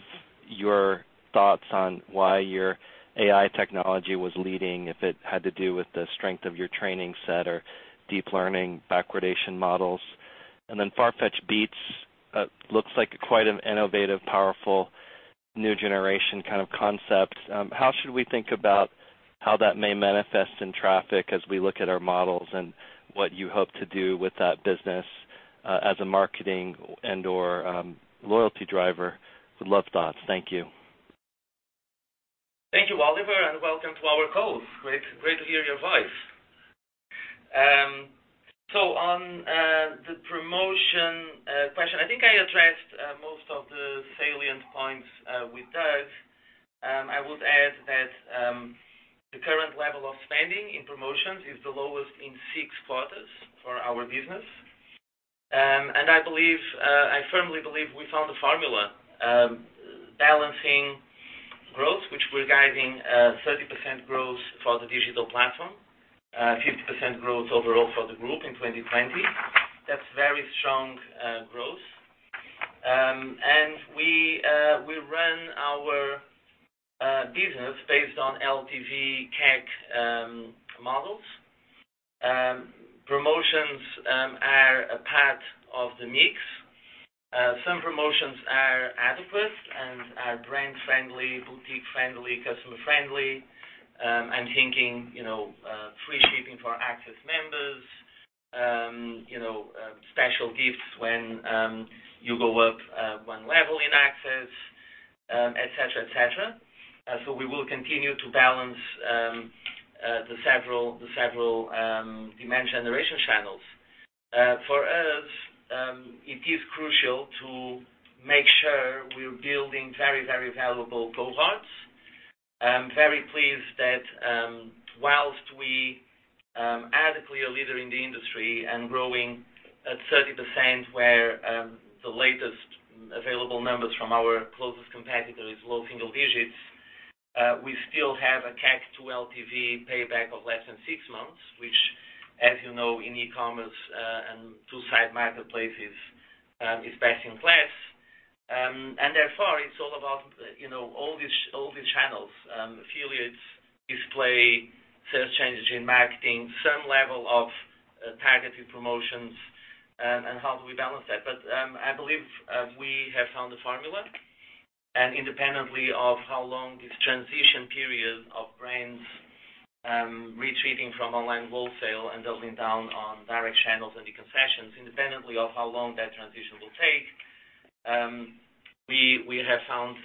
Speaker 7: your thoughts on why your AI technology was leading, if it had to do with the strength of your training set or deep learning backpropagation models. FARFETCH BEAT looks like quite an innovative, powerful, new generation kind of concept. How should we think about how that may manifest in traffic as we look at our models and what you hope to do with that business, as a marketing and/or loyalty driver? Would love thoughts. Thank you.
Speaker 3: Thank you, Oliver, welcome to our call. Great to hear your voice. On the promotion question, I think I addressed most of the salient points with Doug. I would add that the current level of spending in promotions is the lowest in six quarters for our business. I firmly believe we found the formula, balancing growth, which we're guiding 30% growth for the Digital Platform, 50% growth overall for the group in 2020. That's very strong growth. We run our business based on LTV/CAC models. Promotions are a part of the mix. Some promotions are adequate and are brand friendly, boutique friendly, customer friendly. I'm thinking free shipping for Access members, special gifts when you go up one level in Access, et cetera. We will continue to balance the several demand generation channels. For us, it is crucial to make sure we're building very valuable cohorts. I'm very pleased that whilst we are adequately a leader in the industry and growing at 30%, where the latest available numbers from our closest competitor is low single digits, we still have a CAC-to-LTV payback of less than six months, which, as you know, in e-commerce, and two-side marketplaces, is best in class. Therefore, it's all about all these channels, affiliates, display, search engine marketing, some level of targeted promotions, and how do we balance that. I believe we have found a formula, and independently of how long this transition period of brands retreating from online wholesale and doubling down on direct channels and e-concessions, independently of how long that transition will take, we have found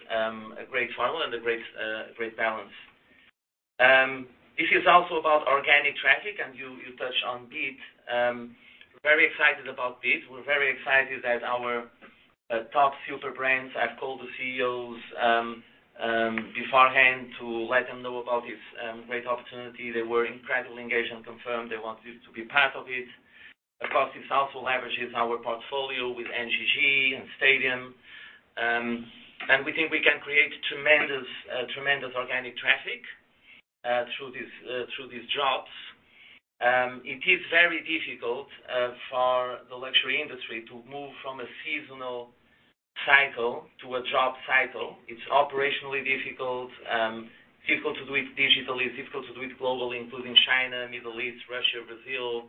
Speaker 3: a great formula and a great balance. This is also about organic traffic, and you touched on BEAT. We're very excited about BEAT. We're very excited that our top super brands, I've called the CEOs beforehand to let them know about this great opportunity. They were incredibly engaged and confirmed they want to be part of it. Of course, this also leverages our portfolio with NGG and Stadium. We think we can create tremendous organic traffic through these drops. It is very difficult for the luxury industry to move from a seasonal cycle to a drop cycle. It's operationally difficult. Difficult to do it digitally. It's difficult to do it globally, including China, Middle East, Russia, Brazil.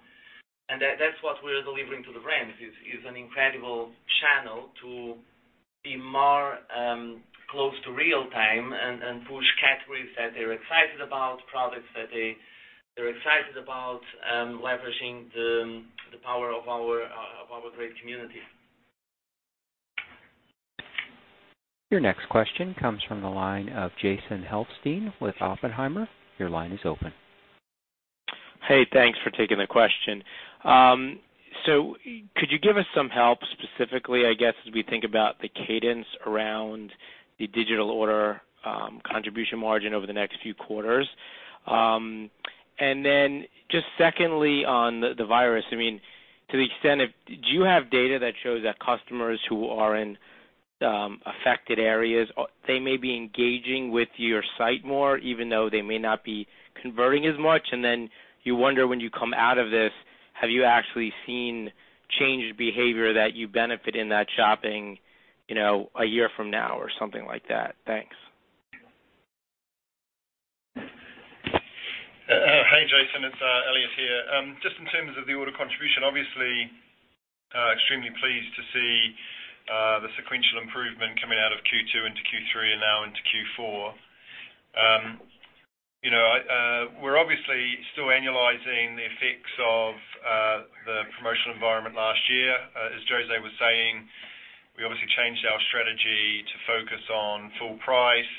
Speaker 3: That's what we're delivering to the brands, is an incredible channel to be more close to real-time and push categories that they're excited about, products that they're excited about, leveraging the power of our great community.
Speaker 1: Your next question comes from the line of Jason Helfstein with Oppenheimer. Your line is open.
Speaker 8: Hey, thanks for taking the question. Could you give us some help specifically, I guess, as we think about the cadence around the digital order contribution margin over the next few quarters? Just secondly, on the virus, to the extent of, do you have data that shows that customers who are in affected areas, they may be engaging with your site more, even though they may not be converting as much? You wonder, when you come out of this, have you actually seen changed behavior that you benefit in that shopping a year from now or something like that? Thanks.
Speaker 4: Hey, Jason, it's Elliot here. Just in terms of the order contribution, obviously, extremely pleased to see the sequential improvement coming out of Q2 into Q3 and now into Q4. We're obviously still annualizing the effects of the promotional environment last year. As José was saying, we obviously changed our strategy to focus on full price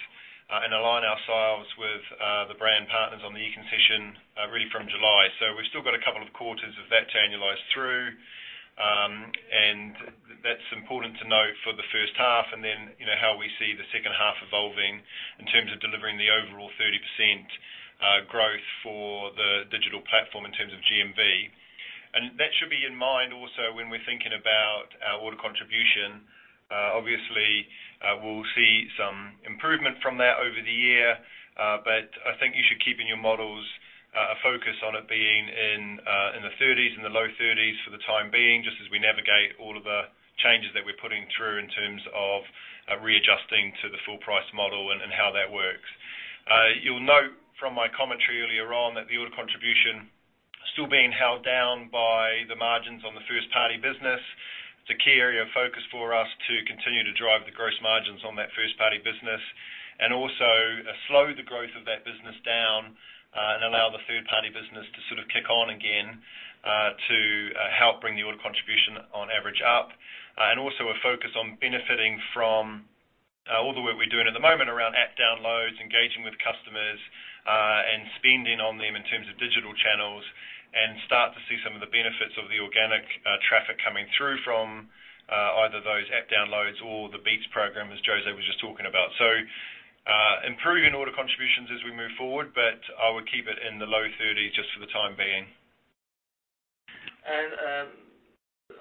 Speaker 4: and align ourselves with the brand partners on the e-concession really from July. We've still got a couple of quarters of that to annualize through. That's important to note for the first half, and then how we see the second half evolving in terms of delivering the overall 30% growth for the Digital Platform in terms of GMV. That should be in mind also when we're thinking about our order contribution. Obviously, we'll see some improvement from that over the year. I think you should keep in your models a focus on it being in the 30s, in the low 30s for the time being, just as we navigate all of the changes that we're putting through in terms of readjusting to the full-price model and how that works. You'll note from my commentary earlier on that the order contribution still being held down by the margins on the first-party business. It's a key area of focus for us to continue to drive the gross margins on that first-party business, and also slow the growth of that business down and allow the third-party business to sort of kick on again to help bring the order contribution on average up. Also a focus on benefiting from all the work we're doing at the moment around app downloads, engaging with customers, and spending on them in terms of digital channels, and start to see some of the benefits of the organic traffic coming through from either those app downloads or the BEAT Program, as José was just talking about. Improving order contributions as we move forward, but I would keep it in the low 30s just for the time being.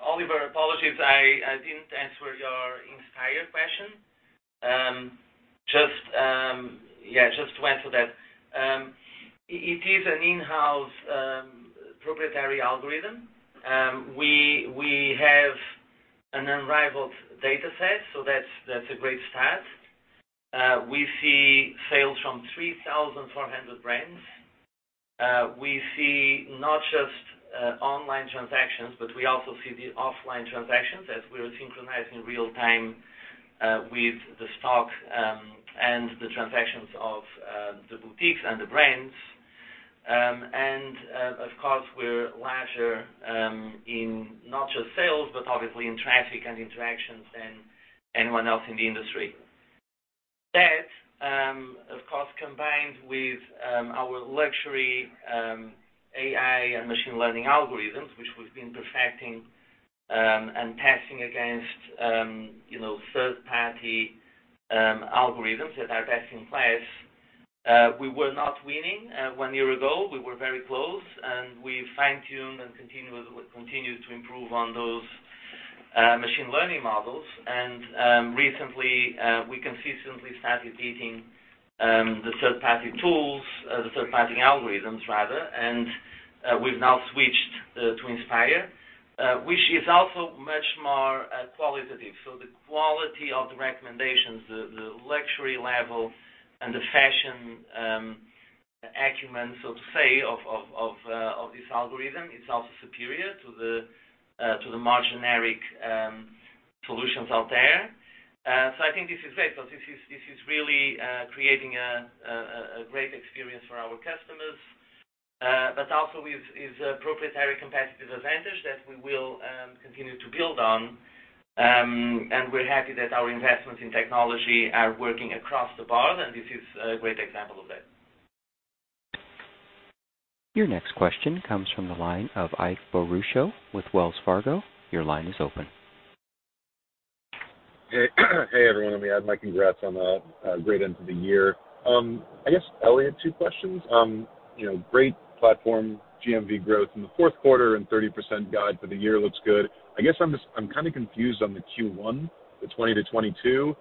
Speaker 3: Oliver, apologies, I didn't answer your Inspire question. Just to answer that. It is an in-house proprietary algorithm. We have an unrivaled data set, so that's a great start. We see sales from 3,400 brands. We see not just online transactions, but we also see the offline transactions as we're synchronized in real time with the stock and the transactions of the boutiques and the brands. Of course, we're larger in not just sales, but obviously in traffic and interactions than anyone else in the industry. That, of course, combined with our luxury AI and machine learning algorithms, which we've been perfecting and testing against third-party algorithms that are best in class. We were not winning one year ago. We were very close, and we fine-tuned and continued to improve on those machine learning models. Recently, we consistently started beating the third-party tools, the third-party algorithms, rather. We've now switched to Inspire, which is also much more qualitative. The quality of the recommendations, the luxury level, and the fashion acumen, so to say, of this algorithm is also superior to the more generic solutions out there. I think this is great because this is really creating a great experience for our customers, but also is a proprietary competitive advantage that we will continue to build on. We're happy that our investments in technology are working across the board, and this is a great example of that.
Speaker 1: Your next question comes from the line of Ike Boruchow with Wells Fargo. Your line is open.
Speaker 9: Hey, everyone. Let me add my congrats on the great end of the year. I guess, Elliot, two questions. Great platform, GMV growth in the fourth quarter and 30% guide for the year looks good. I guess I'm kind of confused on the Q1, the 20%-22%.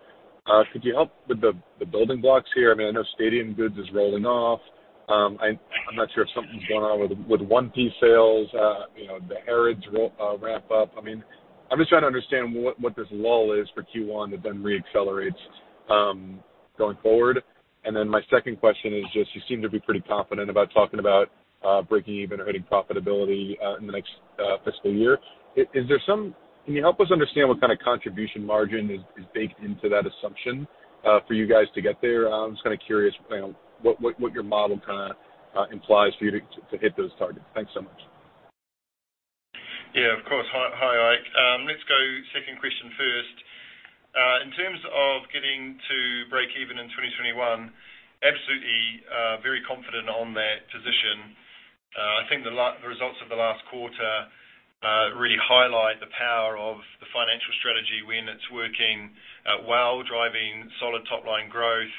Speaker 9: Could you help with the building blocks here? I know Stadium Goods is rolling off. I'm not sure if something's going on with 1P sales. The Harrods wrap up. I'm just trying to understand what this lull is for Q1 that then re-accelerates going forward. My second question is just, you seem to be pretty confident about talking about breaking even or hitting profitability in the next fiscal year. Can you help us understand what kind of contribution margin is baked into that assumption for you guys to get there? I'm just kind of curious what your model kind of implies for you to hit those targets. Thanks so much.
Speaker 4: Yeah, of course. Hi, Ike. Let's go second question first. In terms of getting to breakeven in 2021, absolutely very confident on that position. I think the results of the last quarter really highlight the power of the financial strategy when it's working well, driving solid top-line growth,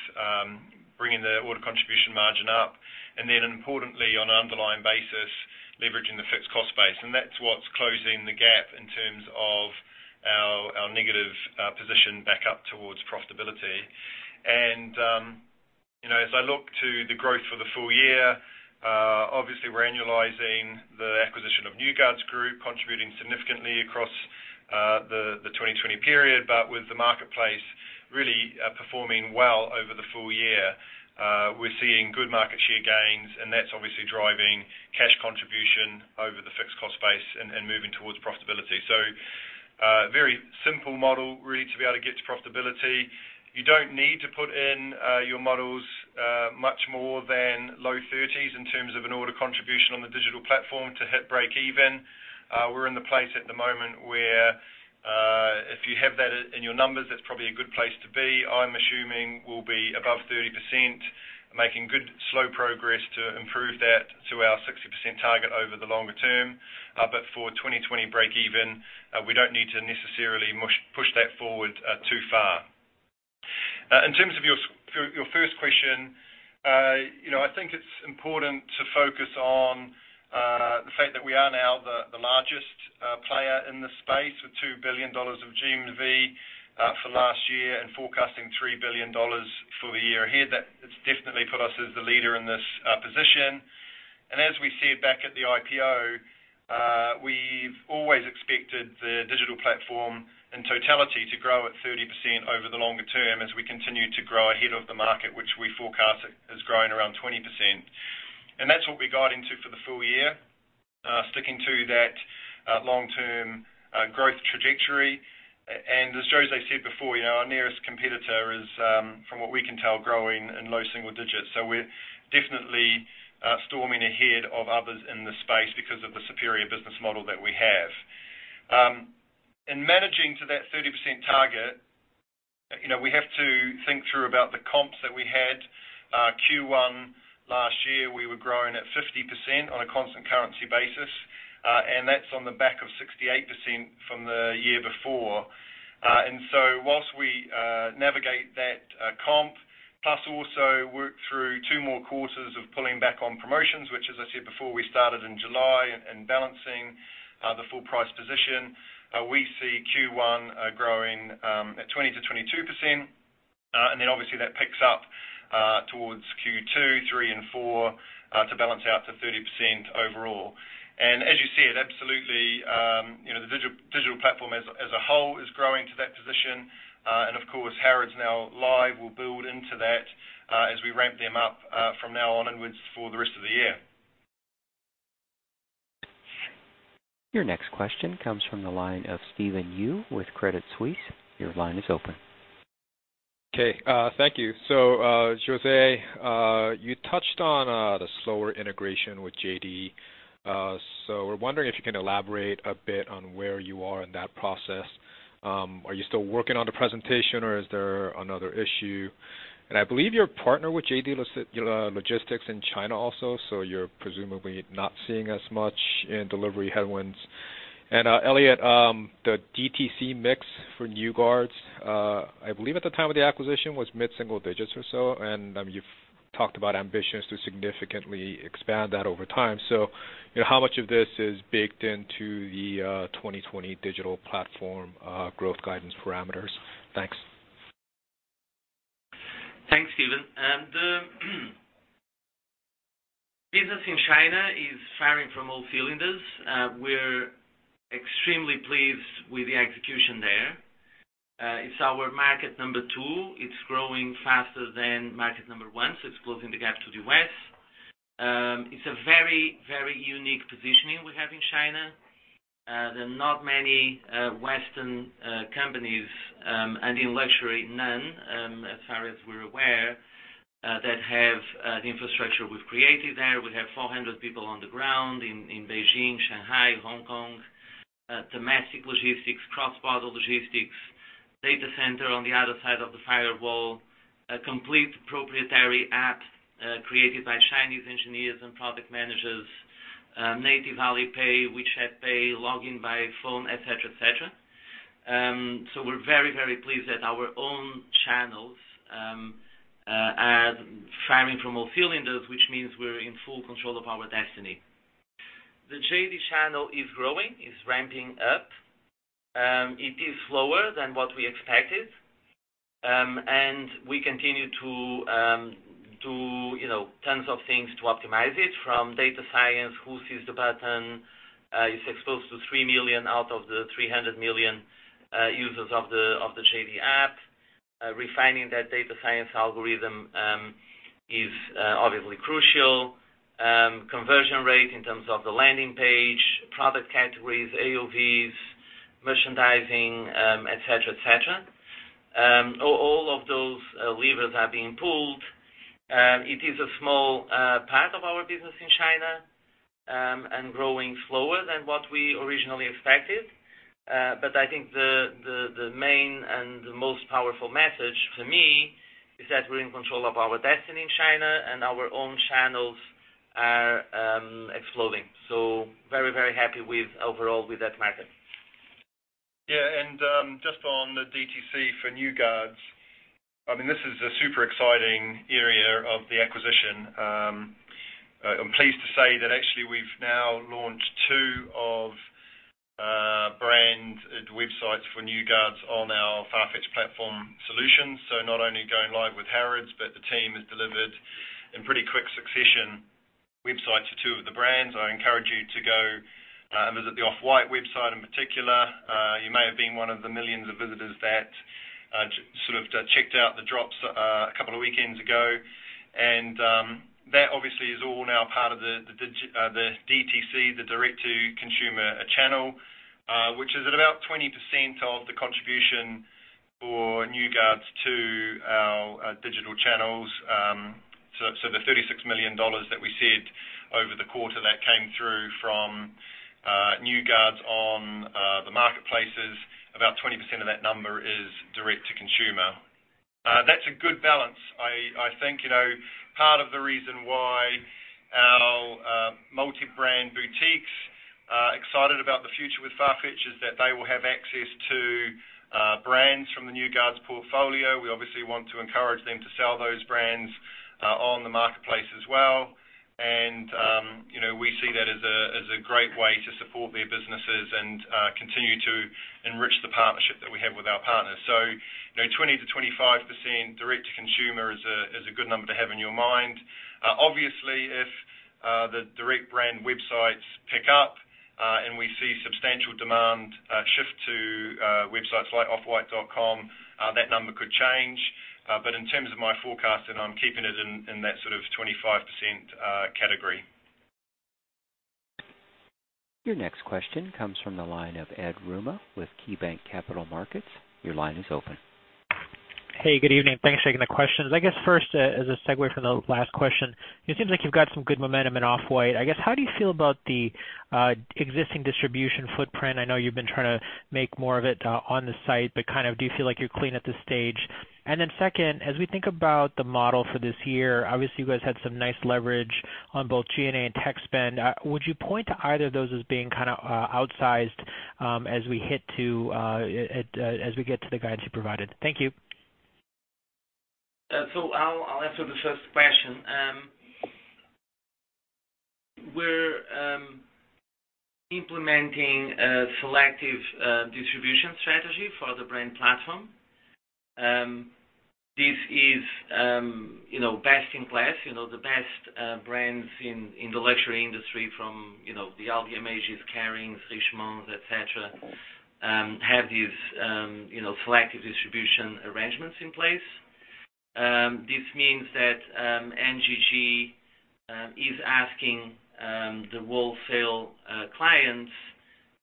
Speaker 4: bringing the order contribution margin up, and then importantly, on an underlying basis, leveraging the fixed cost base. That's what's closing the gap in terms of our negative position back up towards profitability. As I look to the growth for the full year, obviously we're annualizing the acquisition of New Guards Group, contributing significantly across the 2020 period. With the marketplace really performing well over the full year, we're seeing good market share gains, and that's obviously driving cash contribution over the fixed cost base and moving towards profitability. Very simple model really to be able to get to profitability. You don't need to put in your models much more than low 30s in terms of an order contribution on the Digital Platform to hit breakeven. We're in the place at the moment where, if you have that in your numbers, that's probably a good place to be. I'm assuming we'll be above 30%, making good slow progress to improve that to our 60% target over the longer term. For 2020 breakeven, we don't need to necessarily push that forward too far. In terms of your first question, I think it's important to focus on the fact that we are now the largest player in this space with $2 billion of GMV for last year and forecasting $3 billion for the year ahead. That's definitely put us as the leader in this position. As we said back at the IPO, we've always expected the Digital Platform in totality to grow at 30% over the longer term as we continue to grow ahead of the market, which we forecast is growing around 20%. That's what we got into for the full year, sticking to that long-term growth trajectory. As José said before, our nearest competitor is, from what we can tell, growing in low single digits. We're definitely storming ahead of others in this space because of the superior business model that we have. In managing to that 30% target, we have to think through about the comps that we had. Q1 last year, we were growing at 50% on a constant currency basis, and that's on the back of 68% from the year before. Whilst we navigate that comp, plus also work through two more quarters of pulling back on promotions, which as I said before, we started in July, and balancing the full price position, we see Q1 growing at 20%-22%. Obviously that picks up towards Q2, Q3, and Q4 to balance out to 30% overall. As you said, absolutely, the Digital Platform as a whole is growing to that position. Of course, Harrods, now live, will build into that as we ramp them up from now on inwards for the rest of the year.
Speaker 1: Your next question comes from the line of Stephen Ju with Credit Suisse. Your line is open.
Speaker 10: Okay. Thank you. José, you touched on the slower integration with JD. We're wondering if you can elaborate a bit on where you are in that process. Are you still working on the presentation or is there another issue? I believe you're partnered with JD Logistics in China also, so you're presumably not seeing as much in delivery headwinds. Elliot, the DTC mix for New Guards, I believe at the time of the acquisition, was mid-single digits or so, and you've talked about ambitions to significantly expand that over time. How much of this is baked into the 2020 Digital Platform growth guidance parameters? Thanks.
Speaker 3: Thanks, Stephen. Business in China is firing from all cylinders. We are extremely pleased with the execution there. It is our market number two. It is growing faster than market number one, closing the gap to the U.S. It is a very unique positioning we have in China. There are not many Western companies, and in luxury, none, as far as we are aware, that have the infrastructure we have created there. We have 400 people on the ground in Beijing, Shanghai, Hong Kong. Domestic logistics, cross-border logistics, data center on the other side of the firewall, a complete proprietary app created by Chinese engineers and product managers. Native Alipay, WeChat Pay, login by phone, et cetera. We are very pleased that our own channels are firing from all cylinders, which means we are in full control of our destiny. The JD channel is growing, is ramping up. It is slower than what we expected. We continue to do tons of things to optimize it from data science. Who sees the button? It's exposed to 3 million out of the 300 million users of the JD app. Refining that data science algorithm is obviously crucial. Conversion rate in terms of the landing page, product categories, AOVs, merchandising, et cetera. All of those levers are being pulled. It is a small part of our business in China, and growing slower than what we originally expected. I think the main and the most powerful message for me is that we're in control of our destiny in China, and our own channels are exploding. Very happy overall with that market.
Speaker 4: Yeah. Just on the DTC for New Guards, this is a super exciting area of the acquisition. I'm pleased to say that actually we've now launched two of branded websites for New Guards on our Farfetch Platform Solutions. Not only going live with Harrods, but the team has delivered, in pretty quick succession, websites for two of the brands. I encourage you to go and visit the Off-White website in particular. You may have been one of the millions of visitors that checked out the drops a couple of weekends ago. That obviously is all now part of the DTC, the direct-to-consumer channel, which is at about 20% of the contribution for New Guards to our digital channels. The $36 million that we said over the quarter that came through from New Guards on the marketplaces, about 20% of that number is direct-to-consumer. That's a good balance. I think, part of the reason why our multi-brand boutiques are excited about the future with Farfetch is that they will have access to brands from the New Guards portfolio. We obviously want to encourage them to sell those brands on the marketplace as well. We see that as a great way to support their businesses and continue to enrich the partnership that we have with our partners. 20%-25% direct-to-consumer is a good number to have in your mind. Obviously, if the direct brand websites pick up, and we see substantial demand shift to websites like Off-White.com, that number could change. In terms of my forecast, and I'm keeping it in that sort of 25% category.
Speaker 1: Your next question comes from the line of Ed Yruma with KeyBanc Capital Markets. Your line is open.
Speaker 11: Hey, good evening. Thanks for taking the questions. I guess first, as a segue from the last question, it seems like you've got some good momentum in Off-White. I guess, how do you feel about the existing distribution footprint? I know you've been trying to make more of it on the site, but do you feel like you're clean at this stage? Then second, as we think about the model for this year, obviously, you guys had some nice leverage on both G&A and tech spend. Would you point to either of those as being outsized as we get to the guidance you provided? Thank you.
Speaker 3: I'll answer the first question. We're implementing a selective distribution strategy for the Brand Platform. This is best in class. The best brands in the luxury industry from the LVMHs, Kerings, Richemonts, et cetera, have these selective distribution arrangements in place. This means that NGG is asking the wholesale clients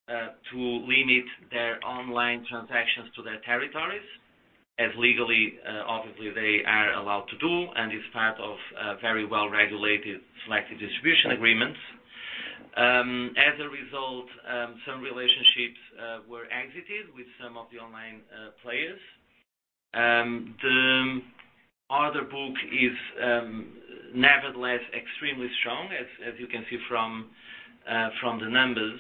Speaker 3: to limit their online transactions to their territories as legally, obviously, they are allowed to do, and is part of a very well-regulated selective distribution agreement. As a result, some relationships were exited with some of the online players. The order book is nevertheless extremely strong, as you can see from the numbers.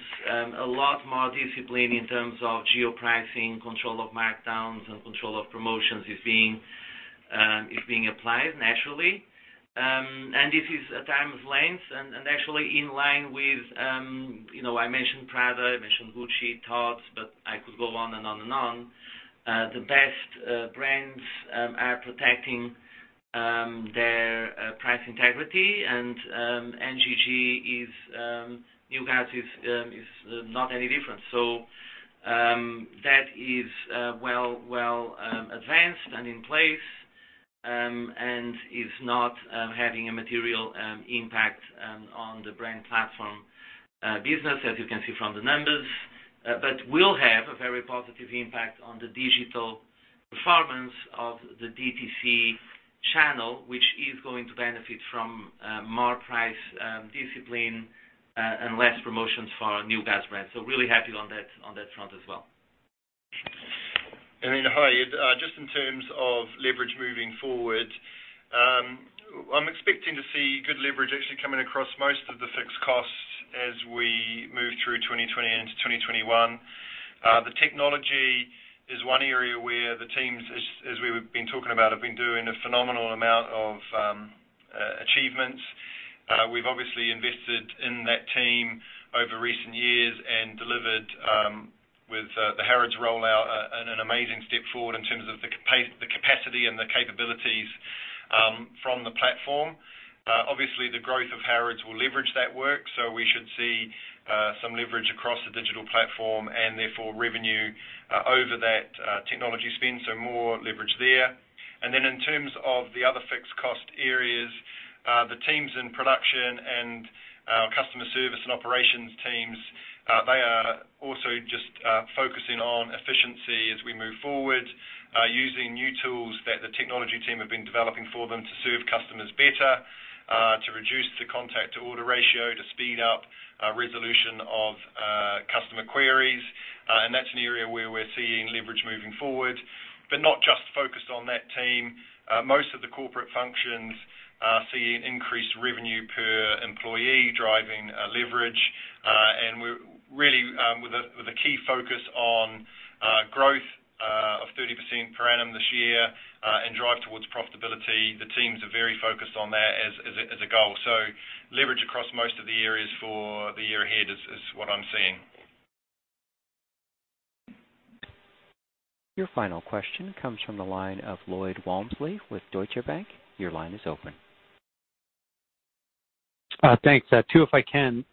Speaker 3: A lot more discipline in terms of geo-pricing, control of markdowns, and control of promotions is being applied naturally. This is at arm's length, and actually in line with, I mentioned Prada, I mentioned Gucci, Tod's, but I could go on and on. The best brands are protecting their price integrity. New Guards is not any different. That is well advanced and in place, and is not having a material impact on the Brand Platform business, as you can see from the numbers. Will have a very positive impact on the digital performance of the DTC channel, which is going to benefit from more price discipline and less promotions for New Guards' brand. Really happy on that front as well.
Speaker 4: Hi, just in terms of leverage moving forward, I'm expecting to see good leverage actually coming across most of the fixed costs as we move through 2020 into 2021. The technology is one area where the teams, as we've been talking about, have been doing a phenomenal amount of achievements. We've obviously invested in that team over recent years and delivered with the Harrods rollout, an amazing step forward in terms of the capacity and the capabilities from the platform. Obviously, the growth of Harrods will leverage that work. We should see some leverage across the Digital Platform, and therefore revenue over that technology spend, so more leverage there. Then in terms of the other fixed cost areas, the teams in production and our customer service and operations teams, they are also just focusing on efficiency as we move forward, using new tools that the technology team have been developing for them to serve customers better, to reduce the contact-to-order ratio, to speed up resolution of customer queries. That's an area where we're seeing leverage moving forward, but not just focused on that team. Most of the corporate functions are seeing increased revenue per employee, driving leverage. We're really with a key focus on growth of 30% per annum this year, and drive towards profitability. The teams are very focused on that as a goal. Leverage across most of the areas for the year ahead is what I'm seeing.
Speaker 1: Your final question comes from the line of Lloyd Walmsley with Deutsche Bank. Your line is open.
Speaker 12: Thanks. Two, if I can.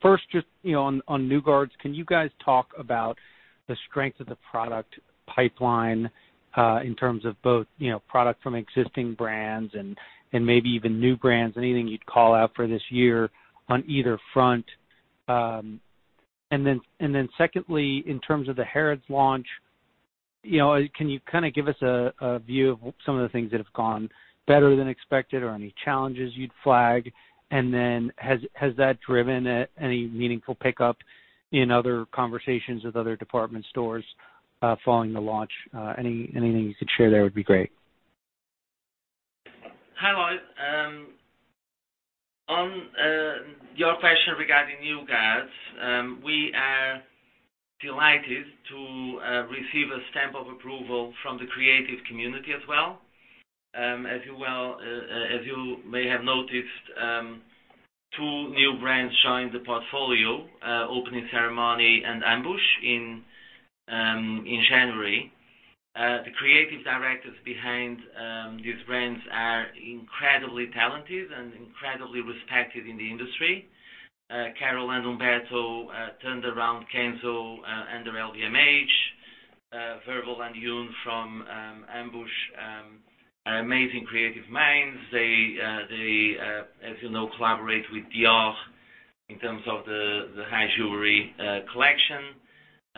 Speaker 12: First, just on New Guards, can you guys talk about the strength of the product pipeline, in terms of both product from existing brands and maybe even new brands, anything you'd call out for this year on either front? Secondly, in terms of the Harrods launch, can you give us a view of some of the things that have gone better than expected or any challenges you'd flag? Has that driven any meaningful pickup in other conversations with other department stores following the launch? Anything you could share there would be great.
Speaker 3: Hi, Lloyd. On your question regarding New Guards, we are delighted to receive a stamp of approval from the creative community as well. As you may have noticed, two new brands joined the portfolio, Opening Ceremony and AMBUSH, in January. The creative directors behind these brands are incredibly talented and incredibly respected in the industry. Carol and Humberto turned around Kenzo under LVMH. Verbal and Yoon from AMBUSH are amazing creative minds. They, as you know, collaborate with Dior in terms of the high jewelry collection.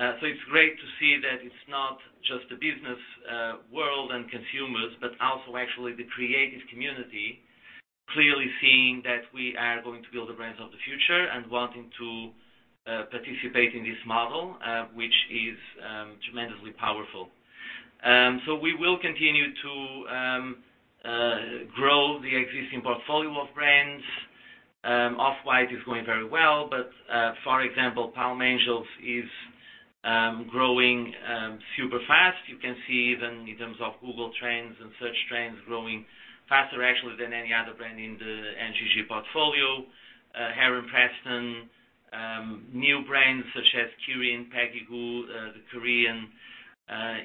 Speaker 3: It's great to see that it's not just the business world and consumers, but also actually the creative community clearly seeing that we are going to build the brands of the future and wanting to participate in this model, which is tremendously powerful. We will continue to grow the existing portfolio of brands. Off-White is going very well. For example, Palm Angels is growing super fast. You can see even in terms of Google Trends and search trends, growing faster actually than any other brand in the NGG portfolio. Heron Preston, new brands such as Kirin and Peggy Gou, the Korean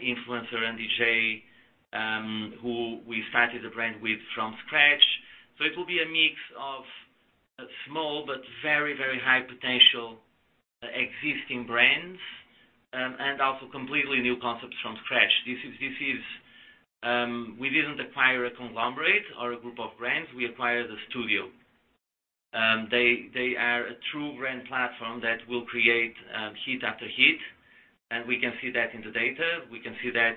Speaker 3: influencer and DJ, who we started a brand with from scratch. It will be a mix of small but very, very high potential existing brands, and also completely new concepts from scratch. We didn't acquire a conglomerate or a group of brands, we acquired a studio. They are a true Brand Platform that will create hit after hit, and we can see that in the data. We can see that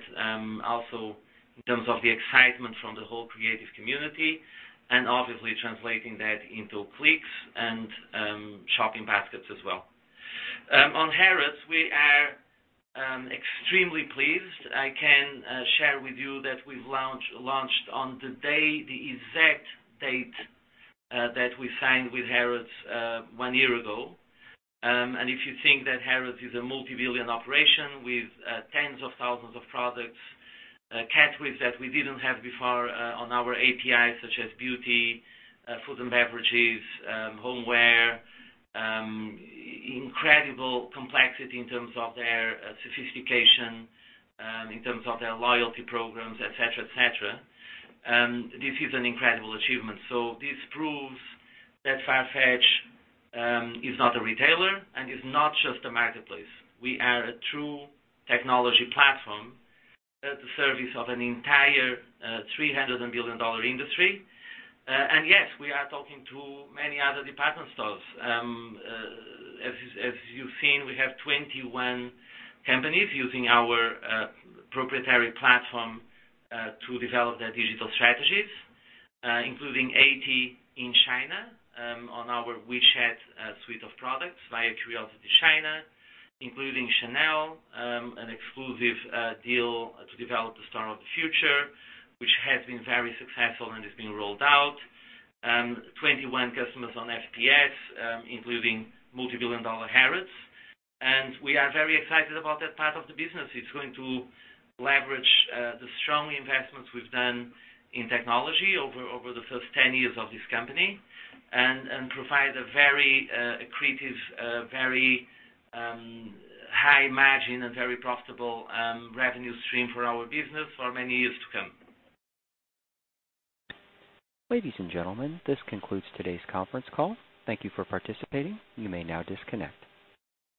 Speaker 3: also in terms of the excitement from the whole creative community, and obviously translating that into clicks and shopping baskets as well. On Harrods, we are extremely pleased. I can share with you that we've launched on the day, the exact date, that we signed with Harrods one year ago. If you think that Harrods is a multi-billion operation with tens of thousands of products, categories that we didn't have before on our API, such as Beauty, Food & Beverages, Homeware, incredible complexity in terms of their sophistication, in terms of their loyalty programs, et cetera. This is an incredible achievement. This proves that Farfetch is not a retailer and is not just a marketplace. We are a true technology platform at the service of an entire $300 billion industry. Yes, we are talking to many other department stores. As you've seen, we have 21 companies using our proprietary platform to develop their digital strategies, including 80 in China on our WeChat suite of products via CuriosityChina, including Chanel, an exclusive deal to develop the store of the future, which has been very successful and is being rolled out. 21 customers on FPS, including multi-billion dollar Harrods. We are very excited about that part of the business. It's going to leverage the strong investments we've done in technology over the first 10 years of this company and provide a very accretive, very high margin, and very profitable revenue stream for our business for many years to come.
Speaker 1: Ladies and gentlemen, this concludes today's conference call. Thank you for participating. You may now disconnect.